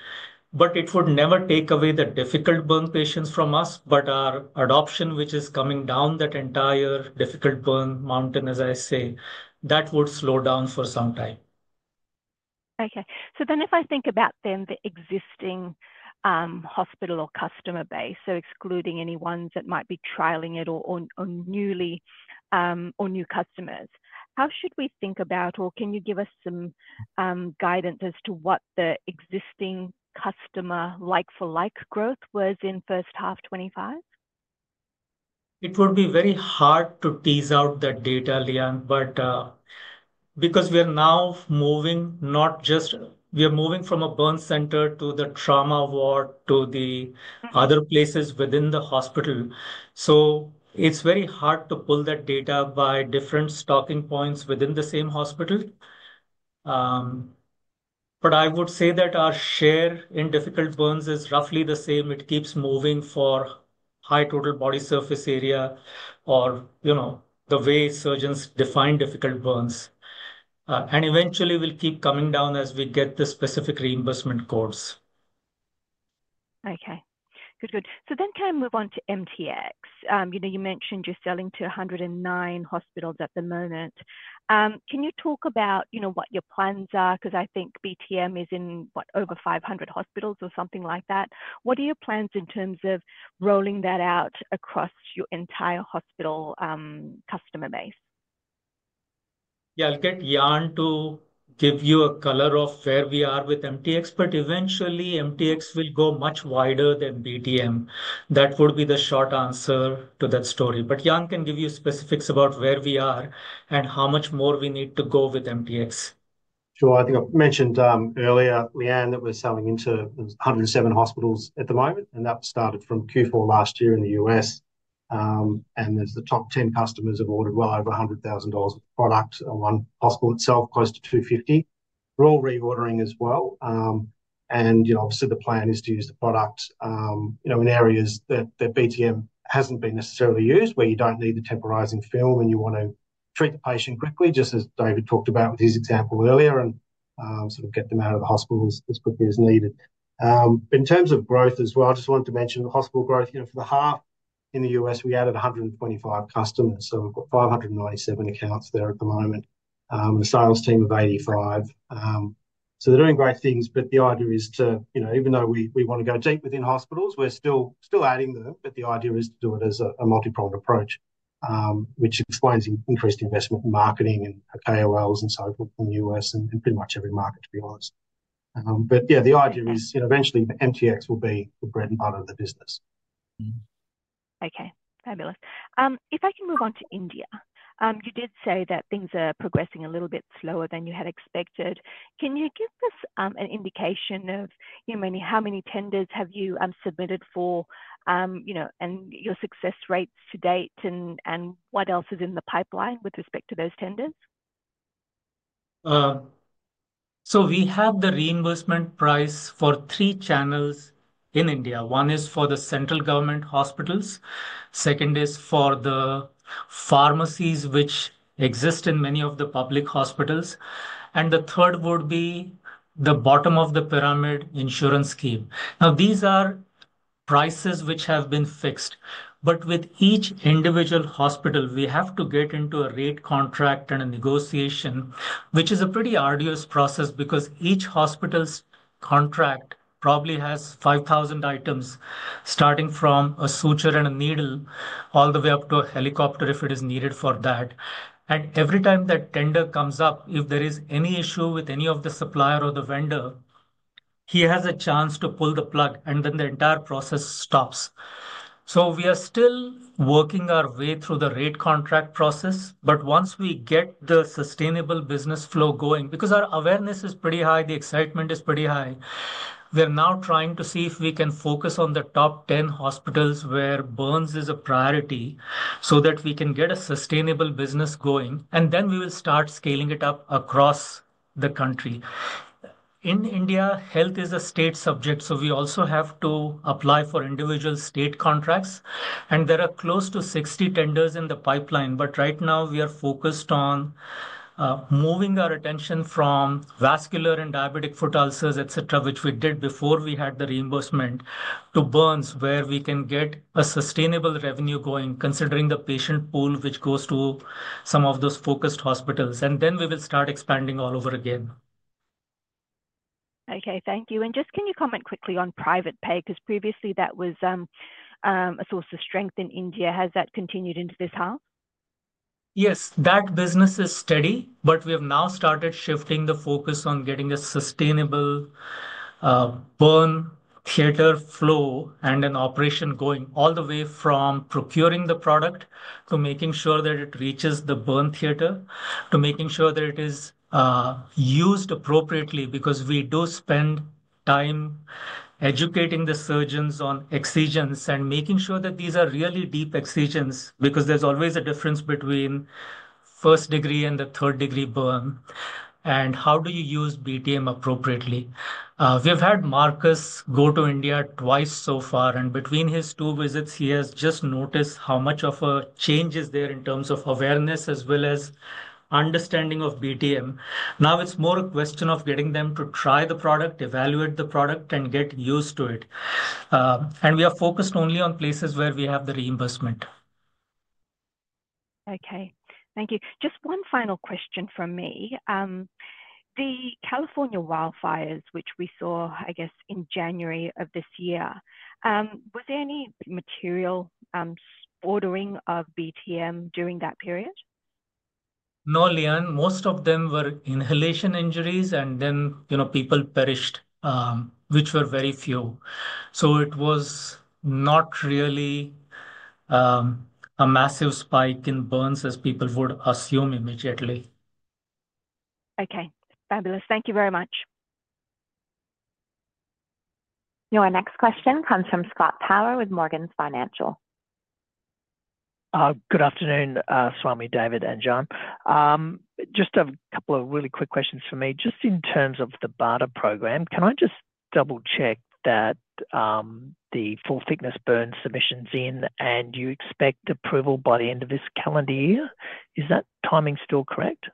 But it would never take away the difficult burn patients from us, but our adoption, which is coming down that entire difficult burn mountain, as I say, that would slow down for some time. Okay. So then if I think about then the existing hospital or customer base, so excluding any ones that might be trialing it or new customers, how should we think about or can you give us some guidance as to what the existing customer like-for-like growth was in first half 2025? It would be very hard to tease out that data, Liane, because we are now moving from a burn center to the trauma ward to the other places within the hospital, so it's very hard to pull that data by different stocking points within the same hospital, but I would say that our share in difficult burns is roughly the same. It keeps moving for high total body surface area or the way surgeons define difficult burns, and eventually, we'll keep coming down as we get the specific reimbursement codes. Okay. Good, good. So then can I move on to MTX? You mentioned you're selling to 109 hospitals at the moment. Can you talk about what your plans are? Because I think BTM is in, what, over 500 hospitals or something like that. What are your plans in terms of rolling that out across your entire hospital customer base? Yeah, I'll get Jan to give you a color of where we are with MTX. But eventually, MTX will go much wider than BTM. That would be the short answer to that story. But Jan can give you specifics about where we are and how much more we need to go with MTX. Sure. I think I mentioned earlier, Liane, that we're selling into 107 hospitals at the moment. That started from Q4 last year in the U.S. There's the top 10 customers have ordered well over $100,000 of product on one hospital itself, close to $250,000. We're all reordering as well. Obviously, the plan is to use the product in areas that BTM hasn't been necessarily used where you don't need the temporizing film and you want to treat the patient quickly, just as David talked about with his example earlier, and sort of get them out of the hospitals as quickly as needed. In terms of growth as well, I just wanted to mention the hospital growth. For the half in the U.S., we added 125 customers. So we've got 597 accounts there at the moment and a sales team of 85. So they're doing great things. But the idea is to, even though we want to go deep within hospitals, we're still adding them. But the idea is to do it as a multi-pronged approach, which explains increased investment in marketing and KOLs and so forth in the U.S. and pretty much every market, to be honest. But yeah, the idea is eventually MTX will be the bread and butter of the business. Okay. Fabulous. If I can move on to India, you did say that things are progressing a little bit slower than you had expected. Can you give us an indication of how many tenders have you submitted for and your success rates to date and what else is in the pipeline with respect to those tenders? So we have the reimbursement price for three channels in India. One is for the central government hospitals. Second is for the pharmacies, which exist in many of the public hospitals. And the third would be the bottom of the pyramid insurance scheme. Now, these are prices which have been fixed. But with each individual hospital, we have to get into a rate contract and a negotiation, which is a pretty arduous process because each hospital's contract probably has 5,000 items starting from a suture and a needle all the way up to a helicopter if it is needed for that. And every time that tender comes up, if there is any issue with any of the supplier or the vendor, he has a chance to pull the plug, and then the entire process stops. So we are still working our way through the rate contract process. Once we get the sustainable business flow going, because our awareness is pretty high, the excitement is pretty high, we're now trying to see if we can focus on the top 10 hospitals where burns is a priority so that we can get a sustainable business going. Then we will start scaling it up across the country. In India, health is a state subject. We also have to apply for individual state contracts. There are close to 60 tenders in the pipeline. Right now, we are focused on moving our attention from vascular and diabetic foot ulcers, etc., which we did before we had the reimbursement, to burns where we can get a sustainable revenue going, considering the patient pool which goes to some of those focused hospitals. Then we will start expanding all over again. Okay. Thank you. And just can you comment quickly on private pay? Because previously, that was a source of strength in India. Has that continued into this half? Yes. That business is steady, but we have now started shifting the focus on getting a sustainable burn theater flow and an operation going all the way from procuring the product to making sure that it reaches the burn theater to making sure that it is used appropriately because we do spend time educating the surgeons on excisions and making sure that these are really deep excisions because there's always a difference between first-degree and the third-degree burn and how do you use BTM appropriately. We have had Marcus go to India twice so far, and between his two visits, he has just noticed how much of a change is there in terms of awareness as well as understanding of BTM. Now, it's more a question of getting them to try the product, evaluate the product, and get used to it. We are focused only on places where we have the reimbursement. Okay. Thank you. Just one final question from me. The Carolina wildfires, which we saw, I guess, in January of this year, was there any material ordering of BTM during that period? No, Liane. Most of them were inhalation injuries, and then people perished, which were very few, so it was not really a massive spike in burns as people would assume immediately. Okay. Fabulous. Thank you very much. Your next question comes from Scott Power with Morgans Financial. Good afternoon, Swami, David, and Jan. Just a couple of really quick questions for me. Just in terms of the BARDA program, can I just double-check that the full-thickness burn submission is in and you expect approval by the end of this calendar year? Is that timing still correct?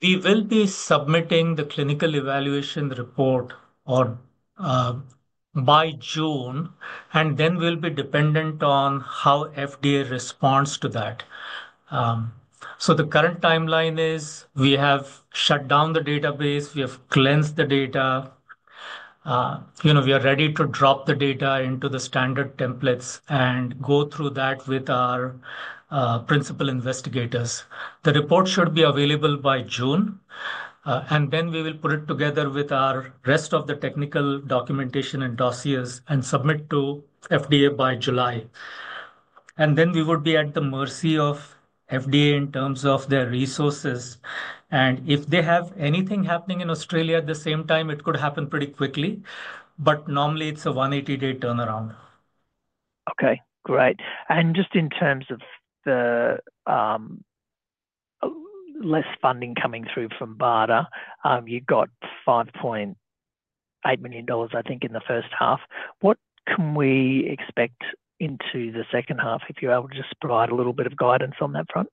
We will be submitting the clinical evaluation report by June, and then we'll be dependent on how FDA responds to that, so the current timeline is we have shut down the database. We have cleansed the data. We are ready to drop the data into the standard templates and go through that with our principal investigators. The report should be available by June, and then we will put it together with our rest of the technical documentation and dossiers and submit to FDA by July, and then we would be at the mercy of FDA in terms of their resources. And if they have anything happening in Australia at the same time, it could happen pretty quickly, but normally, it's a 180-day turnaround. Okay. Great. And just in terms of the less funding coming through from BARDA, you got $5.8 million, I think, in the first half. What can we expect into the second half if you're able to just provide a little bit of guidance on that front?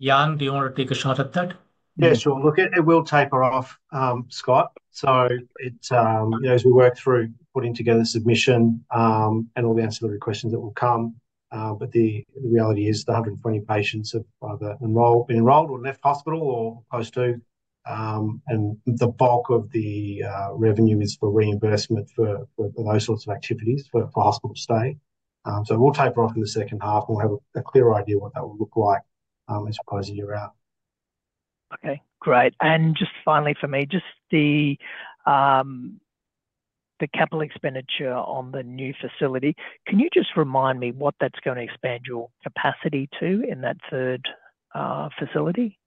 Jan, do you want to take a shot at that? Yeah, sure. Look, it will taper off, Scott, so as we work through putting together submission and all the ancillary questions that will come, but the reality is the 120 patients have either been enrolled or left hospital or close to, and the bulk of the revenue is for reimbursement for those sorts of activities for hospital stay, so it will taper off in the second half, and we'll have a clearer idea of what that will look like as we close the year out. Okay. Great. And just finally for me, just the capital expenditure on the new facility. Can you just remind me what that's going to expand your capacity to in that third facility?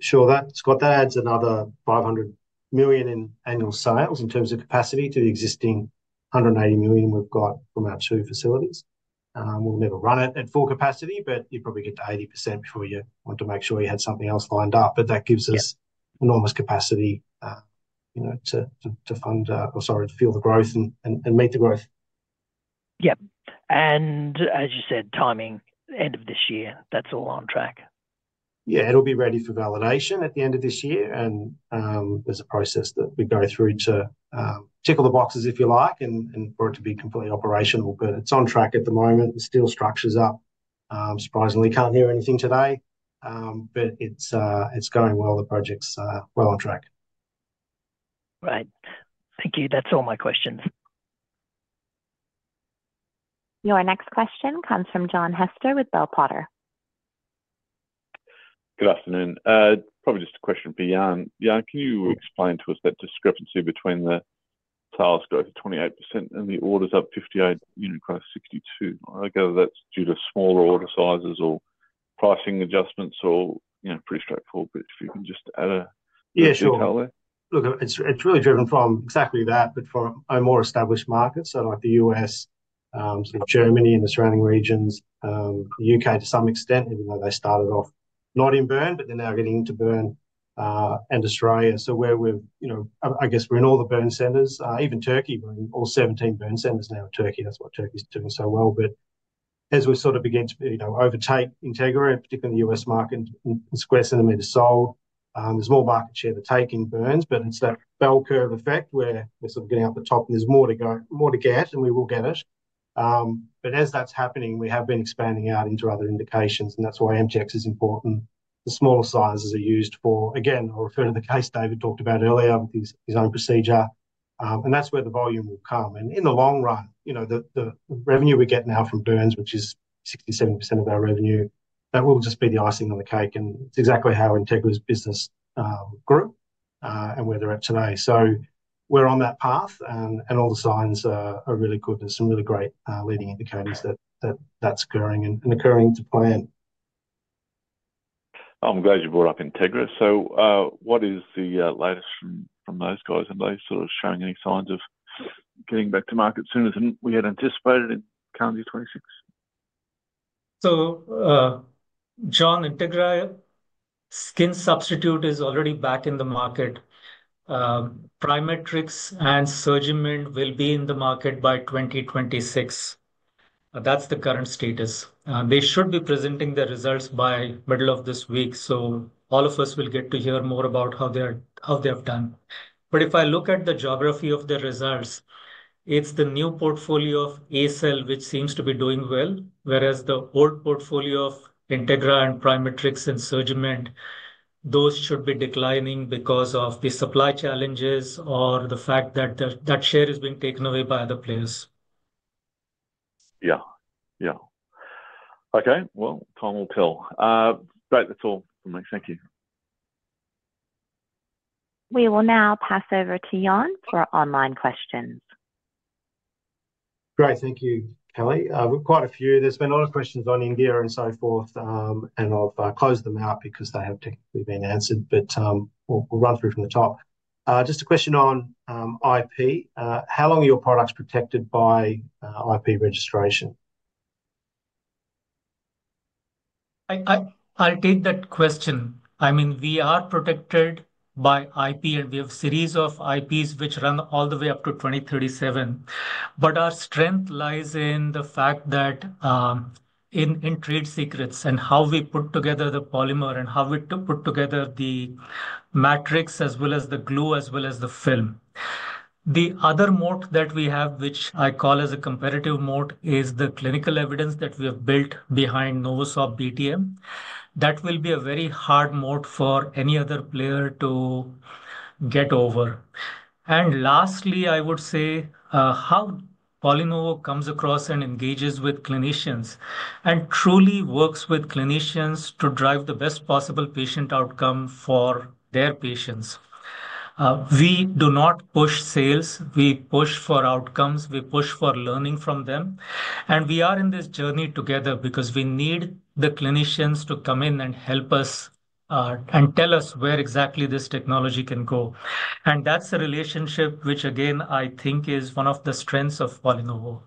Sure. Scott, that adds another 500 million in annual sales in terms of capacity to the existing 180 million we've got from our two facilities. We'll never run it at full capacity, but you probably get to 80% before you want to make sure you had something else lined up. But that gives us enormous capacity to fund or, sorry, to fuel the growth and meet the growth. Yep. And as you said, timing, end of this year, that's all on track? Yeah. It'll be ready for validation at the end of this year. And there's a process that we go through to tick all the boxes, if you like, for it to be completely operational. But it's on track at the moment. We're still structures up. Surprisingly, can't hear anything today. But it's going well. The project's well on track. Great. Thank you. That's all my questions. Your next question comes from John Hester with Bell Potter. Good afternoon. Probably just a question for Jan. Jan, can you explain to us that discrepancy between the sales growth of 28% and the orders up 58 units across 62? I gather that's due to smaller order sizes or pricing adjustments or pretty straightforward. But if you can just add a detail there. Yeah, sure. Look, it's really driven from exactly that, but for a more established market. So like the U.S., Germany, and the surrounding regions, the U.K. to some extent, even though they started off not in burn, but they're now getting into burn and Australia. So where we're, I guess we're in all the burn centers. Even Turkey, we're in all 17 burn centers now in Turkey. That's why Turkey's doing so well. But as we sort of begin to overtake Integra, particularly in the U.S. market, it's a square centimeter sold. There's more market share for taking burns. But it's that bell curve effect where we're sort of getting up the top. And there's more to get, and we will get it. But as that's happening, we have been expanding out into other indications. And that's why MTX is important. The smaller sizes are used for, again, I'll refer to the case David talked about earlier with his own procedure. And that's where the volume will come. And in the long run, the revenue we get now from burns, which is 67% of our revenue, that will just be the icing on the cake. And it's exactly how Integra's business grew and where they're at today. So we're on that path. And all the signs are really good. There's some really great leading indicators that that's occurring and occurring to plan. I'm glad you brought up Integra. So what is the latest from those guys? Are they sort of showing any signs of getting back to market sooner than we had anticipated in calendar year 2026? So John, Integra skin substitute is already back in the market. PriMatrix and SurgiMend will be in the market by 2026. That's the current status. They should be presenting their results by middle of this week. So all of us will get to hear more about how they have done. But if I look at the geography of the results, it's the new portfolio of ACell, which seems to be doing well, whereas the old portfolio of Integra and PriMatrix and SurgiMend, those should be declining because of the supply challenges or the fact that that share is being taken away by other players. Yeah. Yeah. Okay. Well, time will tell. But that's all from me. Thank you. We will now pass over to Jan for online questions. Great. Thank you, Kelly. We've got quite a few. There's been a lot of questions on India and so forth. And I've closed them out because they have technically been answered. But we'll run through from the top. Just a question on IP. How long are your products protected by IP registration? I'll take that question. I mean, we are protected by IP, and we have a series of IPs which run all the way up to 2037. But our strength lies in the fact that in trade secrets and how we put together the polymer and how we put together the matrix as well as the glue as well as the film. The other moat that we have, which I call as a competitive moat, is the clinical evidence that we have built behind NovoSorb BTM. That will be a very hard moat for any other player to get over. And lastly, I would say how PolyNovo comes across and engages with clinicians and truly works with clinicians to drive the best possible patient outcome for their patients. We do not push sales. We push for outcomes. We push for learning from them. We are in this journey together because we need the clinicians to come in and help us and tell us where exactly this technology can go. That's a relationship which, again, I think is one of the strengths of PolyNovo.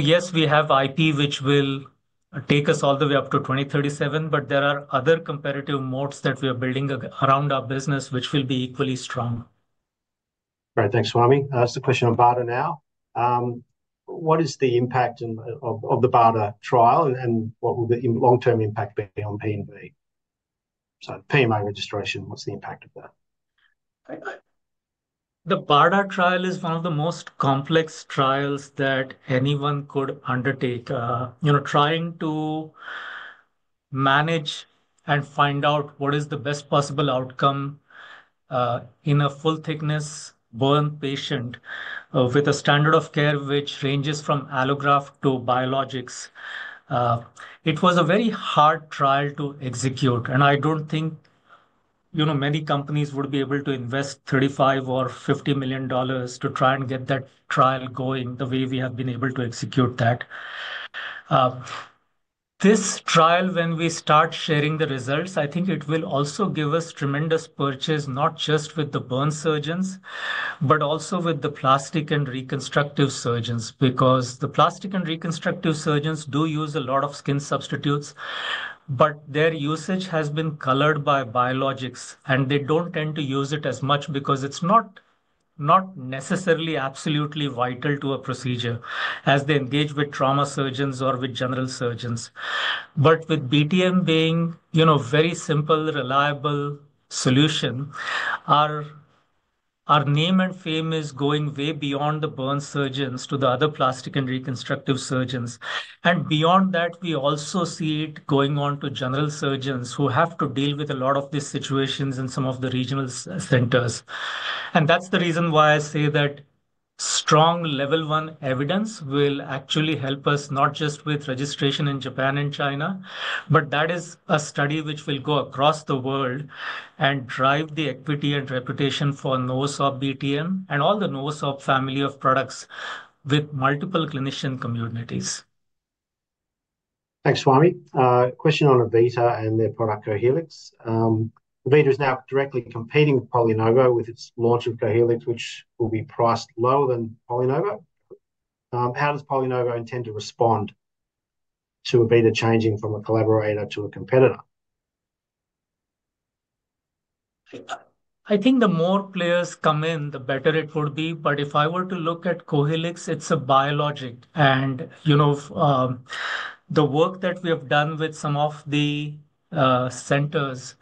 Yes, we have IP, which will take us all the way up to 2037. There are other competitive moats that we are building around our business, which will be equally strong. Great. Thanks, Swami. That's the question on BARDA now. What is the impact of the BARDA trial and what will the long-term impact be on PNV? So PMA registration, what's the impact of that? The BARDA trial is one of the most complex trials that anyone could undertake, trying to manage and find out what is the best possible outcome in a full-thickness burn patient with a standard of care which ranges from allograft to biologics. It was a very hard trial to execute, and I don't think many companies would be able to invest $35 or $50 million to try and get that trial going the way we have been able to execute that. This trial, when we start sharing the results, I think it will also give us tremendous purchase, not just with the burn surgeons, but also with the plastic and reconstructive surgeons because the plastic and reconstructive surgeons do use a lot of skin substitutes, but their usage has been colored by biologics. And they don't tend to use it as much because it's not necessarily absolutely vital to a procedure as they engage with trauma surgeons or with general surgeons. But with BTM being a very simple, reliable solution, our name and fame is going way beyond the burn surgeons to the other plastic and reconstructive surgeons. And beyond that, we also see it going on to general surgeons who have to deal with a lot of these situations in some of the regional centers. And that's the reason why I say that strong level one evidence will actually help us not just with registration in Japan and China, but that is a study which will go across the world and drive the equity and reputation for NovoSorb BTM and all the NovoSorb family of products with multiple clinician communities. Thanks, Swami. Question Avita and their product Cohelix, Avita is now directly competing with PolyNovo with its launch of Cohelix, which will be priced lower than PolyNovo. How does PolyNovo intend to respond Avita changing from a collaborator to a competitor? I think the more players come in, the better it would be. But if I were to look at Cohelix, it's a biologic. And the work that we have done with some of the centers,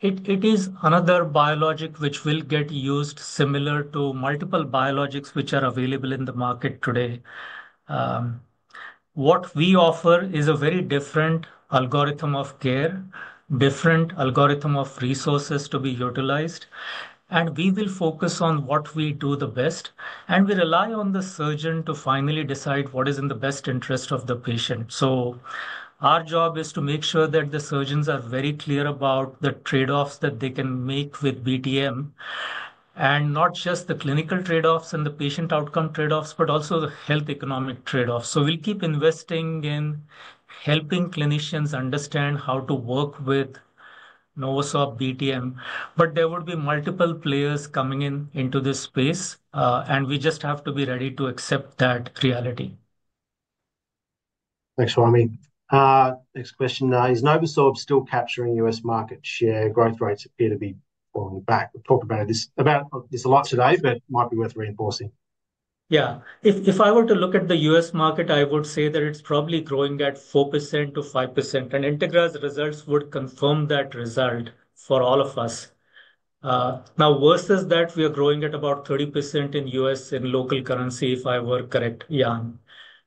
it is another biologic which will get used similar to multiple biologics which are available in the market today. What we offer is a very different algorithm of care, different algorithm of resources to be utilized. And we will focus on what we do the best. And we rely on the surgeon to finally decide what is in the best interest of the patient. So our job is to make sure that the surgeons are very clear about the trade-offs that they can make with BTM and not just the clinical trade-offs and the patient outcome trade-offs, but also the health economic trade-offs. So we'll keep investing in helping clinicians understand how to work with NovoSorb BTM. But there would be multiple players coming into this space. And we just have to be ready to accept that reality. Thanks, Swami. Next question now is, NovoSorb still capturing US market share? Growth rates appear to be falling back. We've talked about this a lot today, but it might be worth reinforcing. Yeah. If I were to look at the U.S. market, I would say that it's probably growing at 4%-5%. And Integra's results would confirm that result for all of us. Now, versus that, we are growing at about 30% in U.S. in local currency, if I were correct,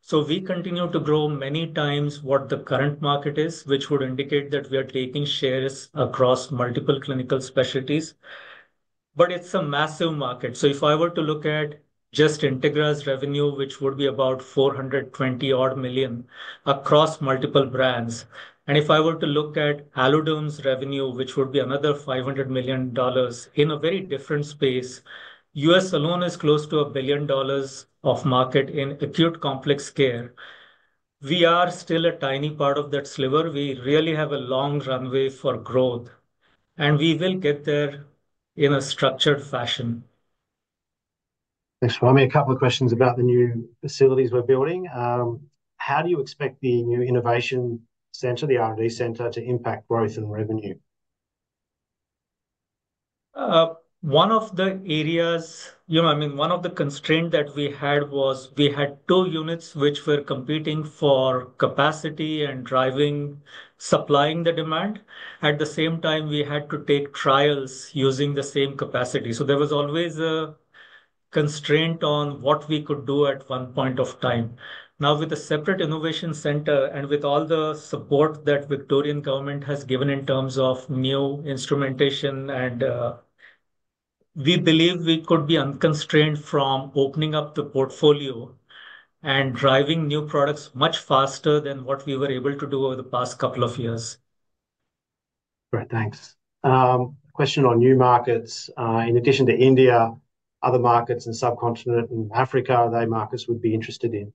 Jan. So we continue to grow many times what the current market is, which would indicate that we are taking shares across multiple clinical specialties. But it's a massive market. So if I were to look at just Integra's revenue, which would be about $420-odd million across multiple brands. And if I were to look at AlloDerm's revenue, which would be another $500 million in a very different space, U.S. alone is close to $1 billion of market in acute complex care. We are still a tiny part of that sliver. We really have a long runway for growth. We will get there in a structured fashion. Thanks, Swami. A couple of questions about the new facilities we're building. How do you expect the new innovation center, the R&D center, to impact growth and revenue? One of the areas, I mean, one of the constraints that we had was we had two units which were competing for capacity and driving, supplying the demand. At the same time, we had to take trials using the same capacity. So there was always a constraint on what we could do at one point of time. Now, with a separate innovation center and with all the support that the Victorian Government has given in terms of new instrumentation, we believe we could be unconstrained from opening up the portfolio and driving new products much faster than what we were able to do over the past couple of years. Great. Thanks. Question on new markets. In addition to India, other markets and subcontinent in Africa, are there markets we'd be interested in?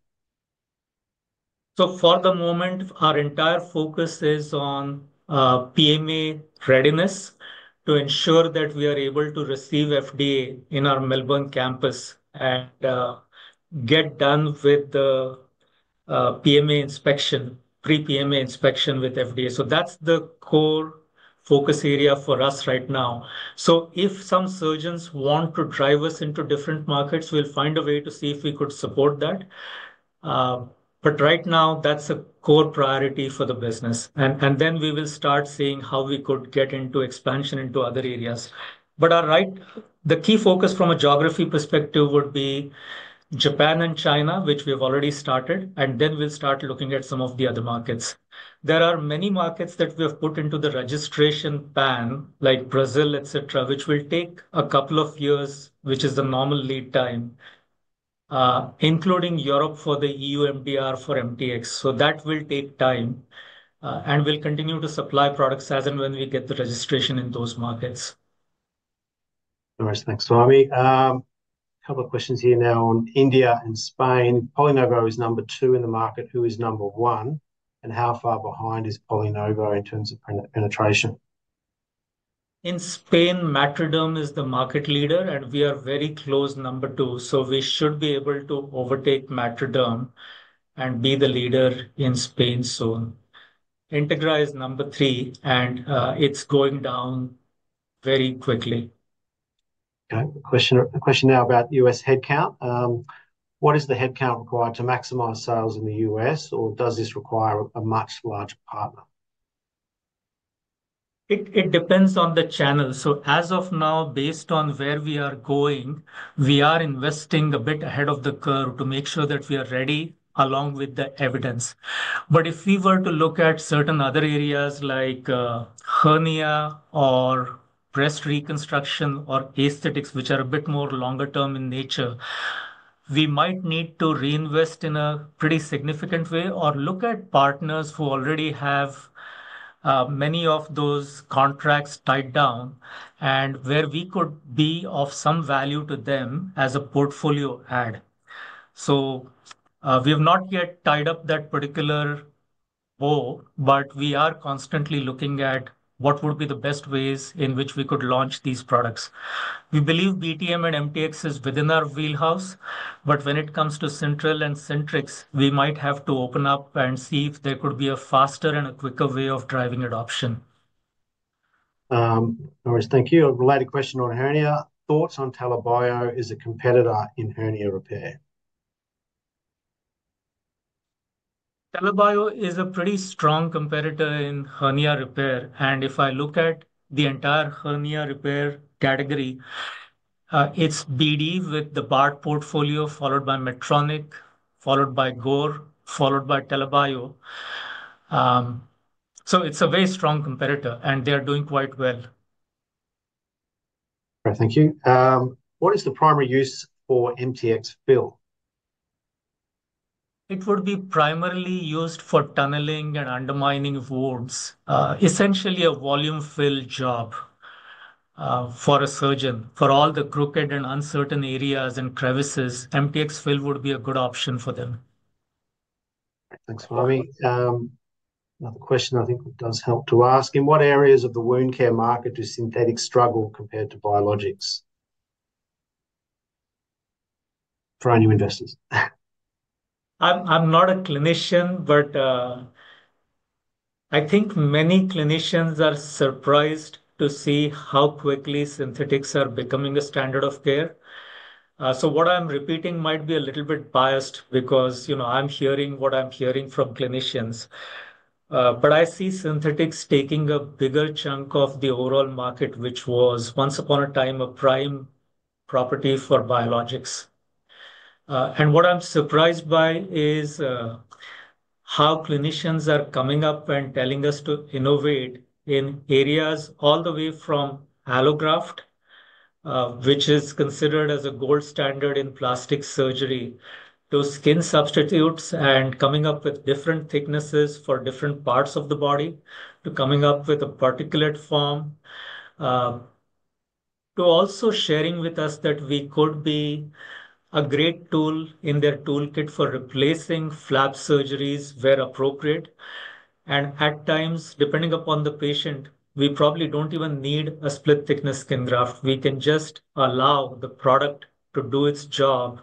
So for the moment, our entire focus is on PMA readiness to ensure that we are able to receive FDA in our Melbourne campus and get done with the PMA inspection, pre-PMA inspection with FDA. That's the core focus area for us right now. If some surgeons want to drive us into different markets, we'll find a way to see if we could support that. But right now, that's a core priority for the business. Then we will start seeing how we could get into expansion into other areas. The key focus from a geography perspective would be Japan and China, which we have already started. Then we'll start looking at some of the other markets. There are many markets that we have put into the registration plan, like Brazil, etc., which will take a couple of years, which is the normal lead time, including Europe for the EU MDR for MTX, so that will take time, and we'll continue to supply products as and when we get the registration in those markets. Thanks, Swami. A couple of questions here now on India and Spain. PolyNovo is number two in the market. Who is number one? And how far behind is PolyNovo in terms of penetration? In Spain, MatriDerm is the market leader. And we are very close number two. So we should be able to overtake MatriDerm and be the leader in Spain soon. Integra is number three. And it's going down very quickly. Okay. Question now about U.S. headcount. What is the headcount required to maximize sales in the U.S.? Or does this require a much larger partner? It depends on the channel. So as of now, based on where we are going, we are investing a bit ahead of the curve to make sure that we are ready along with the evidence. But if we were to look at certain other areas like hernia or breast reconstruction or aesthetics, which are a bit more longer-term in nature, we might need to reinvest in a pretty significant way or look at partners who already have many of those contracts tied down and where we could be of some value to them as a portfolio add. So we have not yet tied up that particular bow, but we are constantly looking at what would be the best ways in which we could launch these products. We believe BTM and MTX is within our wheelhouse. But when it comes to Syntrel and Syntrix, we might have to open up and see if there could be a faster and a quicker way of driving adoption. Thank you. A related question on hernia. Thoughts on TELA Bio as a competitor in hernia repair? Bio is a pretty strong competitor in hernia repair. And if I look at the entire hernia repair category, it's BD with the Bard portfolio, followed by Medtronic, followed by Gore, followed by TELA Bio. So it's a very strong competitor. And they are doing quite well. Thank you. What is the primary use for MTX Fill? It would be primarily used for tunneling and undermining wounds, essentially a volume fill job for a surgeon. For all the crooked and uncertain areas and crevices, MTX Fill would be a good option for them. Thanks, Swami. Another question I think does help to ask. In what areas of the wound care market do synthetics struggle compared to biologics for our new investors? I'm not a clinician, but I think many clinicians are surprised to see how quickly synthetics are becoming a standard of care. So what I'm repeating might be a little bit biased because I'm hearing what I'm hearing from clinicians. But I see synthetics taking a bigger chunk of the overall market, which was once upon a time a prime property for biologics. And what I'm surprised by is how clinicians are coming up and telling us to innovate in areas all the way from allograft, which is considered as a gold standard in plastic surgery, to skin substitutes and coming up with different thicknesses for different parts of the body to coming up with a particulate form, to also sharing with us that we could be a great tool in their toolkit for replacing flap surgeries where appropriate. At times, depending upon the patient, we probably don't even need a split-thickness skin graft. We can just allow the product to do its job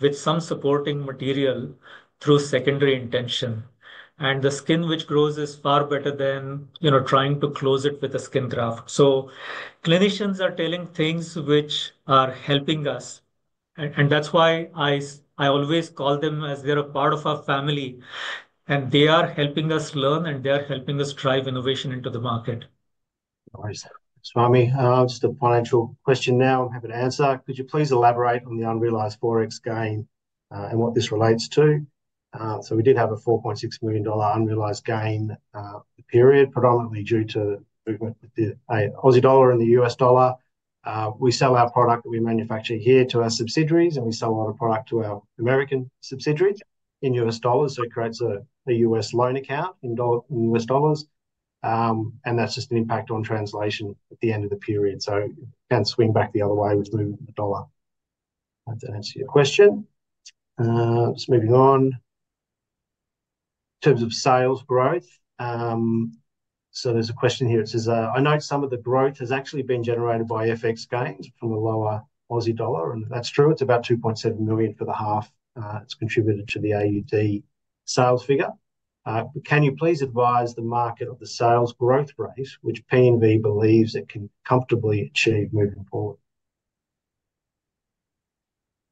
with some supporting material through secondary intention. The skin which grows is far better than trying to close it with a skin graft. Clinicians are telling things which are helping us. That's why I always call them as they're a part of our family. They are helping us learn, and they are helping us drive innovation into the market. Thanks, Swami. Just a financial question now. I'm happy to answer. Could you please elaborate on the unrealized forex gain and what this relates to? So we did have an 4.6 million dollar unrealized gain period, predominantly due to the Aussie dollar and the US dollar. We sell our product that we manufacture here to our subsidiaries. And we sell a lot of product to our American subsidiaries in US dollars. So it creates a US loan account in US dollars. And that's just an impact on translation at the end of the period. So it can swing back the other way with moving the dollar. That's an answer to your question. Just moving on. In terms of sales growth, so there's a question here. It says, "I know some of the growth has actually been generated by FX gains from the lower Aussie dollar." And that's true. It's about 2.7 million for the half that's contributed to the AUD sales figure. Can you please advise the market of the sales growth rate, which PNV believes it can comfortably achieve moving forward?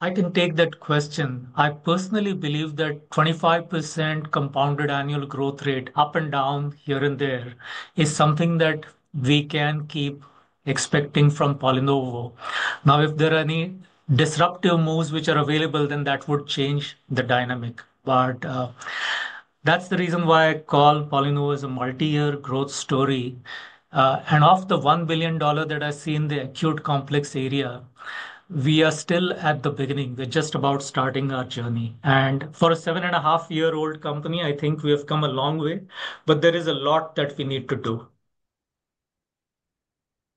I can take that question. I personally believe that 25% compounded annual growth rate up and down here and there is something that we can keep expecting from PolyNovo. Now, if there are any disruptive moves which are available, then that would change the dynamic, but that's the reason why I call PolyNovo as a multi-year growth story, and of the $1 billion that I see in the acute complex area, we are still at the beginning. We're just about starting our journey, and for a seven-and-a-half-year-old company, I think we have come a long way, but there is a lot that we need to do.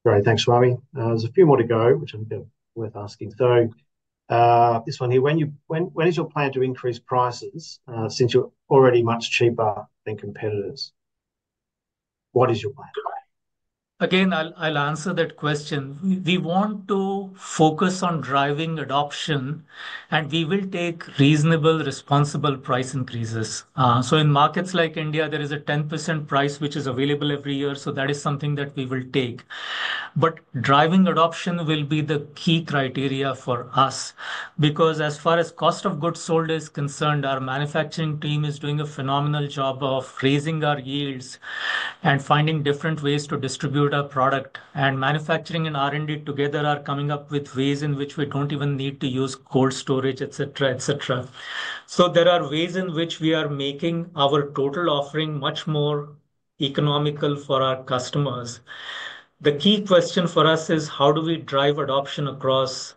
Great. Thanks, Swami. There's a few more to go, which I think are worth asking. So this one here. When is your plan to increase prices since you're already much cheaper than competitors? What is your plan? Again, I'll answer that question. We want to focus on driving adoption. And we will take reasonable, responsible price increases. So in markets like India, there is a 10% price which is available every year. So that is something that we will take. But driving adoption will be the key criteria for us. Because as far as cost of goods sold is concerned, our manufacturing team is doing a phenomenal job of raising our yields and finding different ways to distribute our product. And manufacturing and R&D together are coming up with ways in which we don't even need to use cold storage, etc., etc. So there are ways in which we are making our total offering much more economical for our customers. The key question for us is, how do we drive adoption across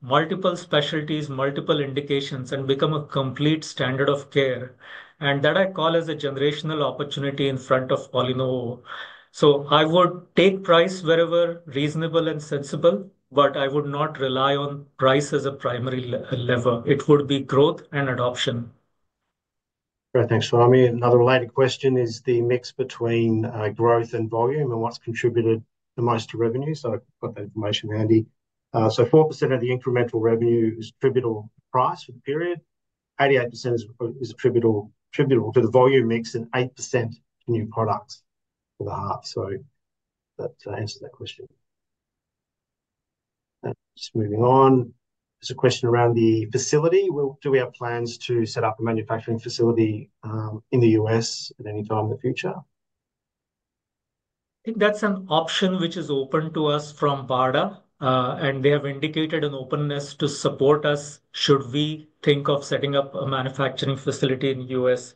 multiple specialties, multiple indications, and become a complete standard of care? And that I call as a generational opportunity in front of PolyNovo. So I would take price wherever reasonable and sensible. But I would not rely on price as a primary lever. It would be growth and adoption. Great. Thanks, Swami. Another related question is the mix between growth and volume and what's contributed the most to revenue. So I've got that information handy. So 4% of the incremental revenue is attributable to price for the period. 88% is attributable to the volume mix and 8% new products for the half. So that answers that question. Just moving on. There's a question around the facility. Do we have plans to set up a manufacturing facility in the U.S. at any time in the future? I think that's an option which is open to us Avita. And they have indicated an openness to support us should we think of setting up a manufacturing facility in the U.S.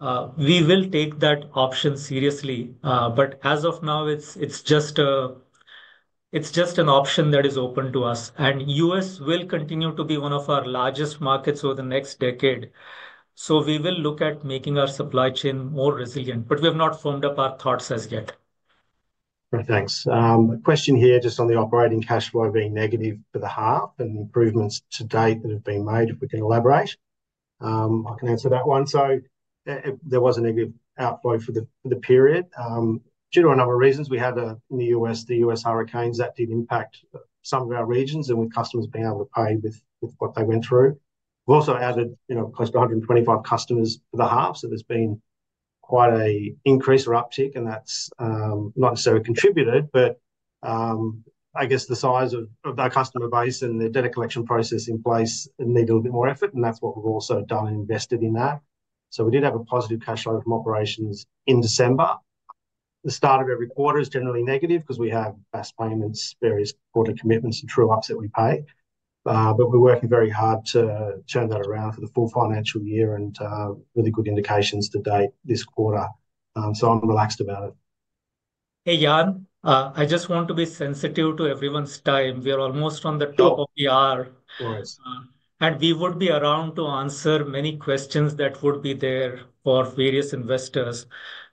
We will take that option seriously. But as of now, it's just an option that is open to us. And U.S. will continue to be one of our largest markets over the next decade. So we will look at making our supply chain more resilient. But we have not formed up our thoughts as yet. Thanks. A question here just on the operating cash flow being negative for the half and improvements to date that have been made. If we can elaborate, I can answer that one. So there was a negative outflow for the period. Due to a number of reasons, we had the U.S. hurricanes that did impact some of our regions and with customers being able to pay with what they went through. We've also added close to 125 customers for the half. So there's been quite an increase or uptick. And that's not necessarily contributed. But I guess the size of our customer base and the data collection process in place need a little bit more effort. And that's what we've also done and invested in that. So we did have a positive cash flow from operations in December. The start of every quarter is generally negative because we have vast payments, various quarter commitments, and true-ups that we pay. But we're working very hard to turn that around for the full financial year and really good indications to date this quarter. So I'm relaxed about it. Hey, Jan. I just want to be sensitive to everyone's time. We are almost on the top of the hour. And we would be around to answer many questions that would be there for various investors.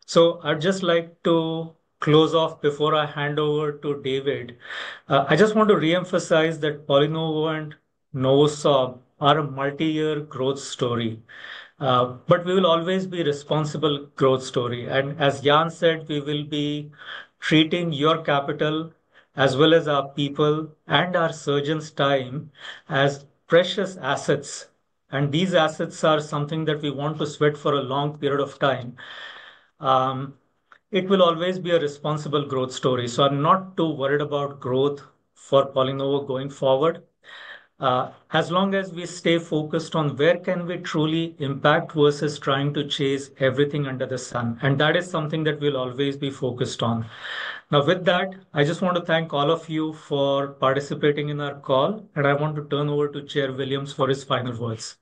So I'd just like to close off before I hand over to David. I just want to reemphasize that PolyNovo and NovoSorb are a multi-year growth story. But we will always be responsible growth story. And as Jan said, we will be treating your capital as well as our people and our surgeons' time as precious assets. And these assets are something that we want to sweat for a long period of time. It will always be a responsible growth story. So I'm not too worried about growth for PolyNovo going forward as long as we stay focused on where can we truly impact versus trying to chase everything under the sun. That is something that we'll always be focused on. Now, with that, I just want to thank all of you for participating in our call. I want to turn over to Chairman Williams for his final words.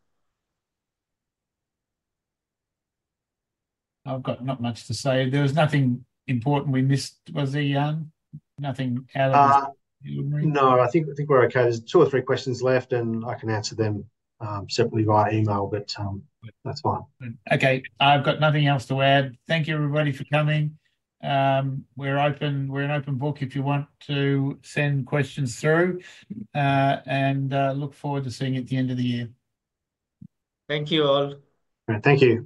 I've got not much to say. There was nothing important we missed, was there, Jan? Nothing else? No, I think we're okay. There's two or three questions left, and I can answer them separately via email, but that's fine. Okay. I've got nothing else to add. Thank you, everybody, for coming. We're an open book if you want to send questions through, and look forward to seeing you at the end of the year. Thank you all. Thank you.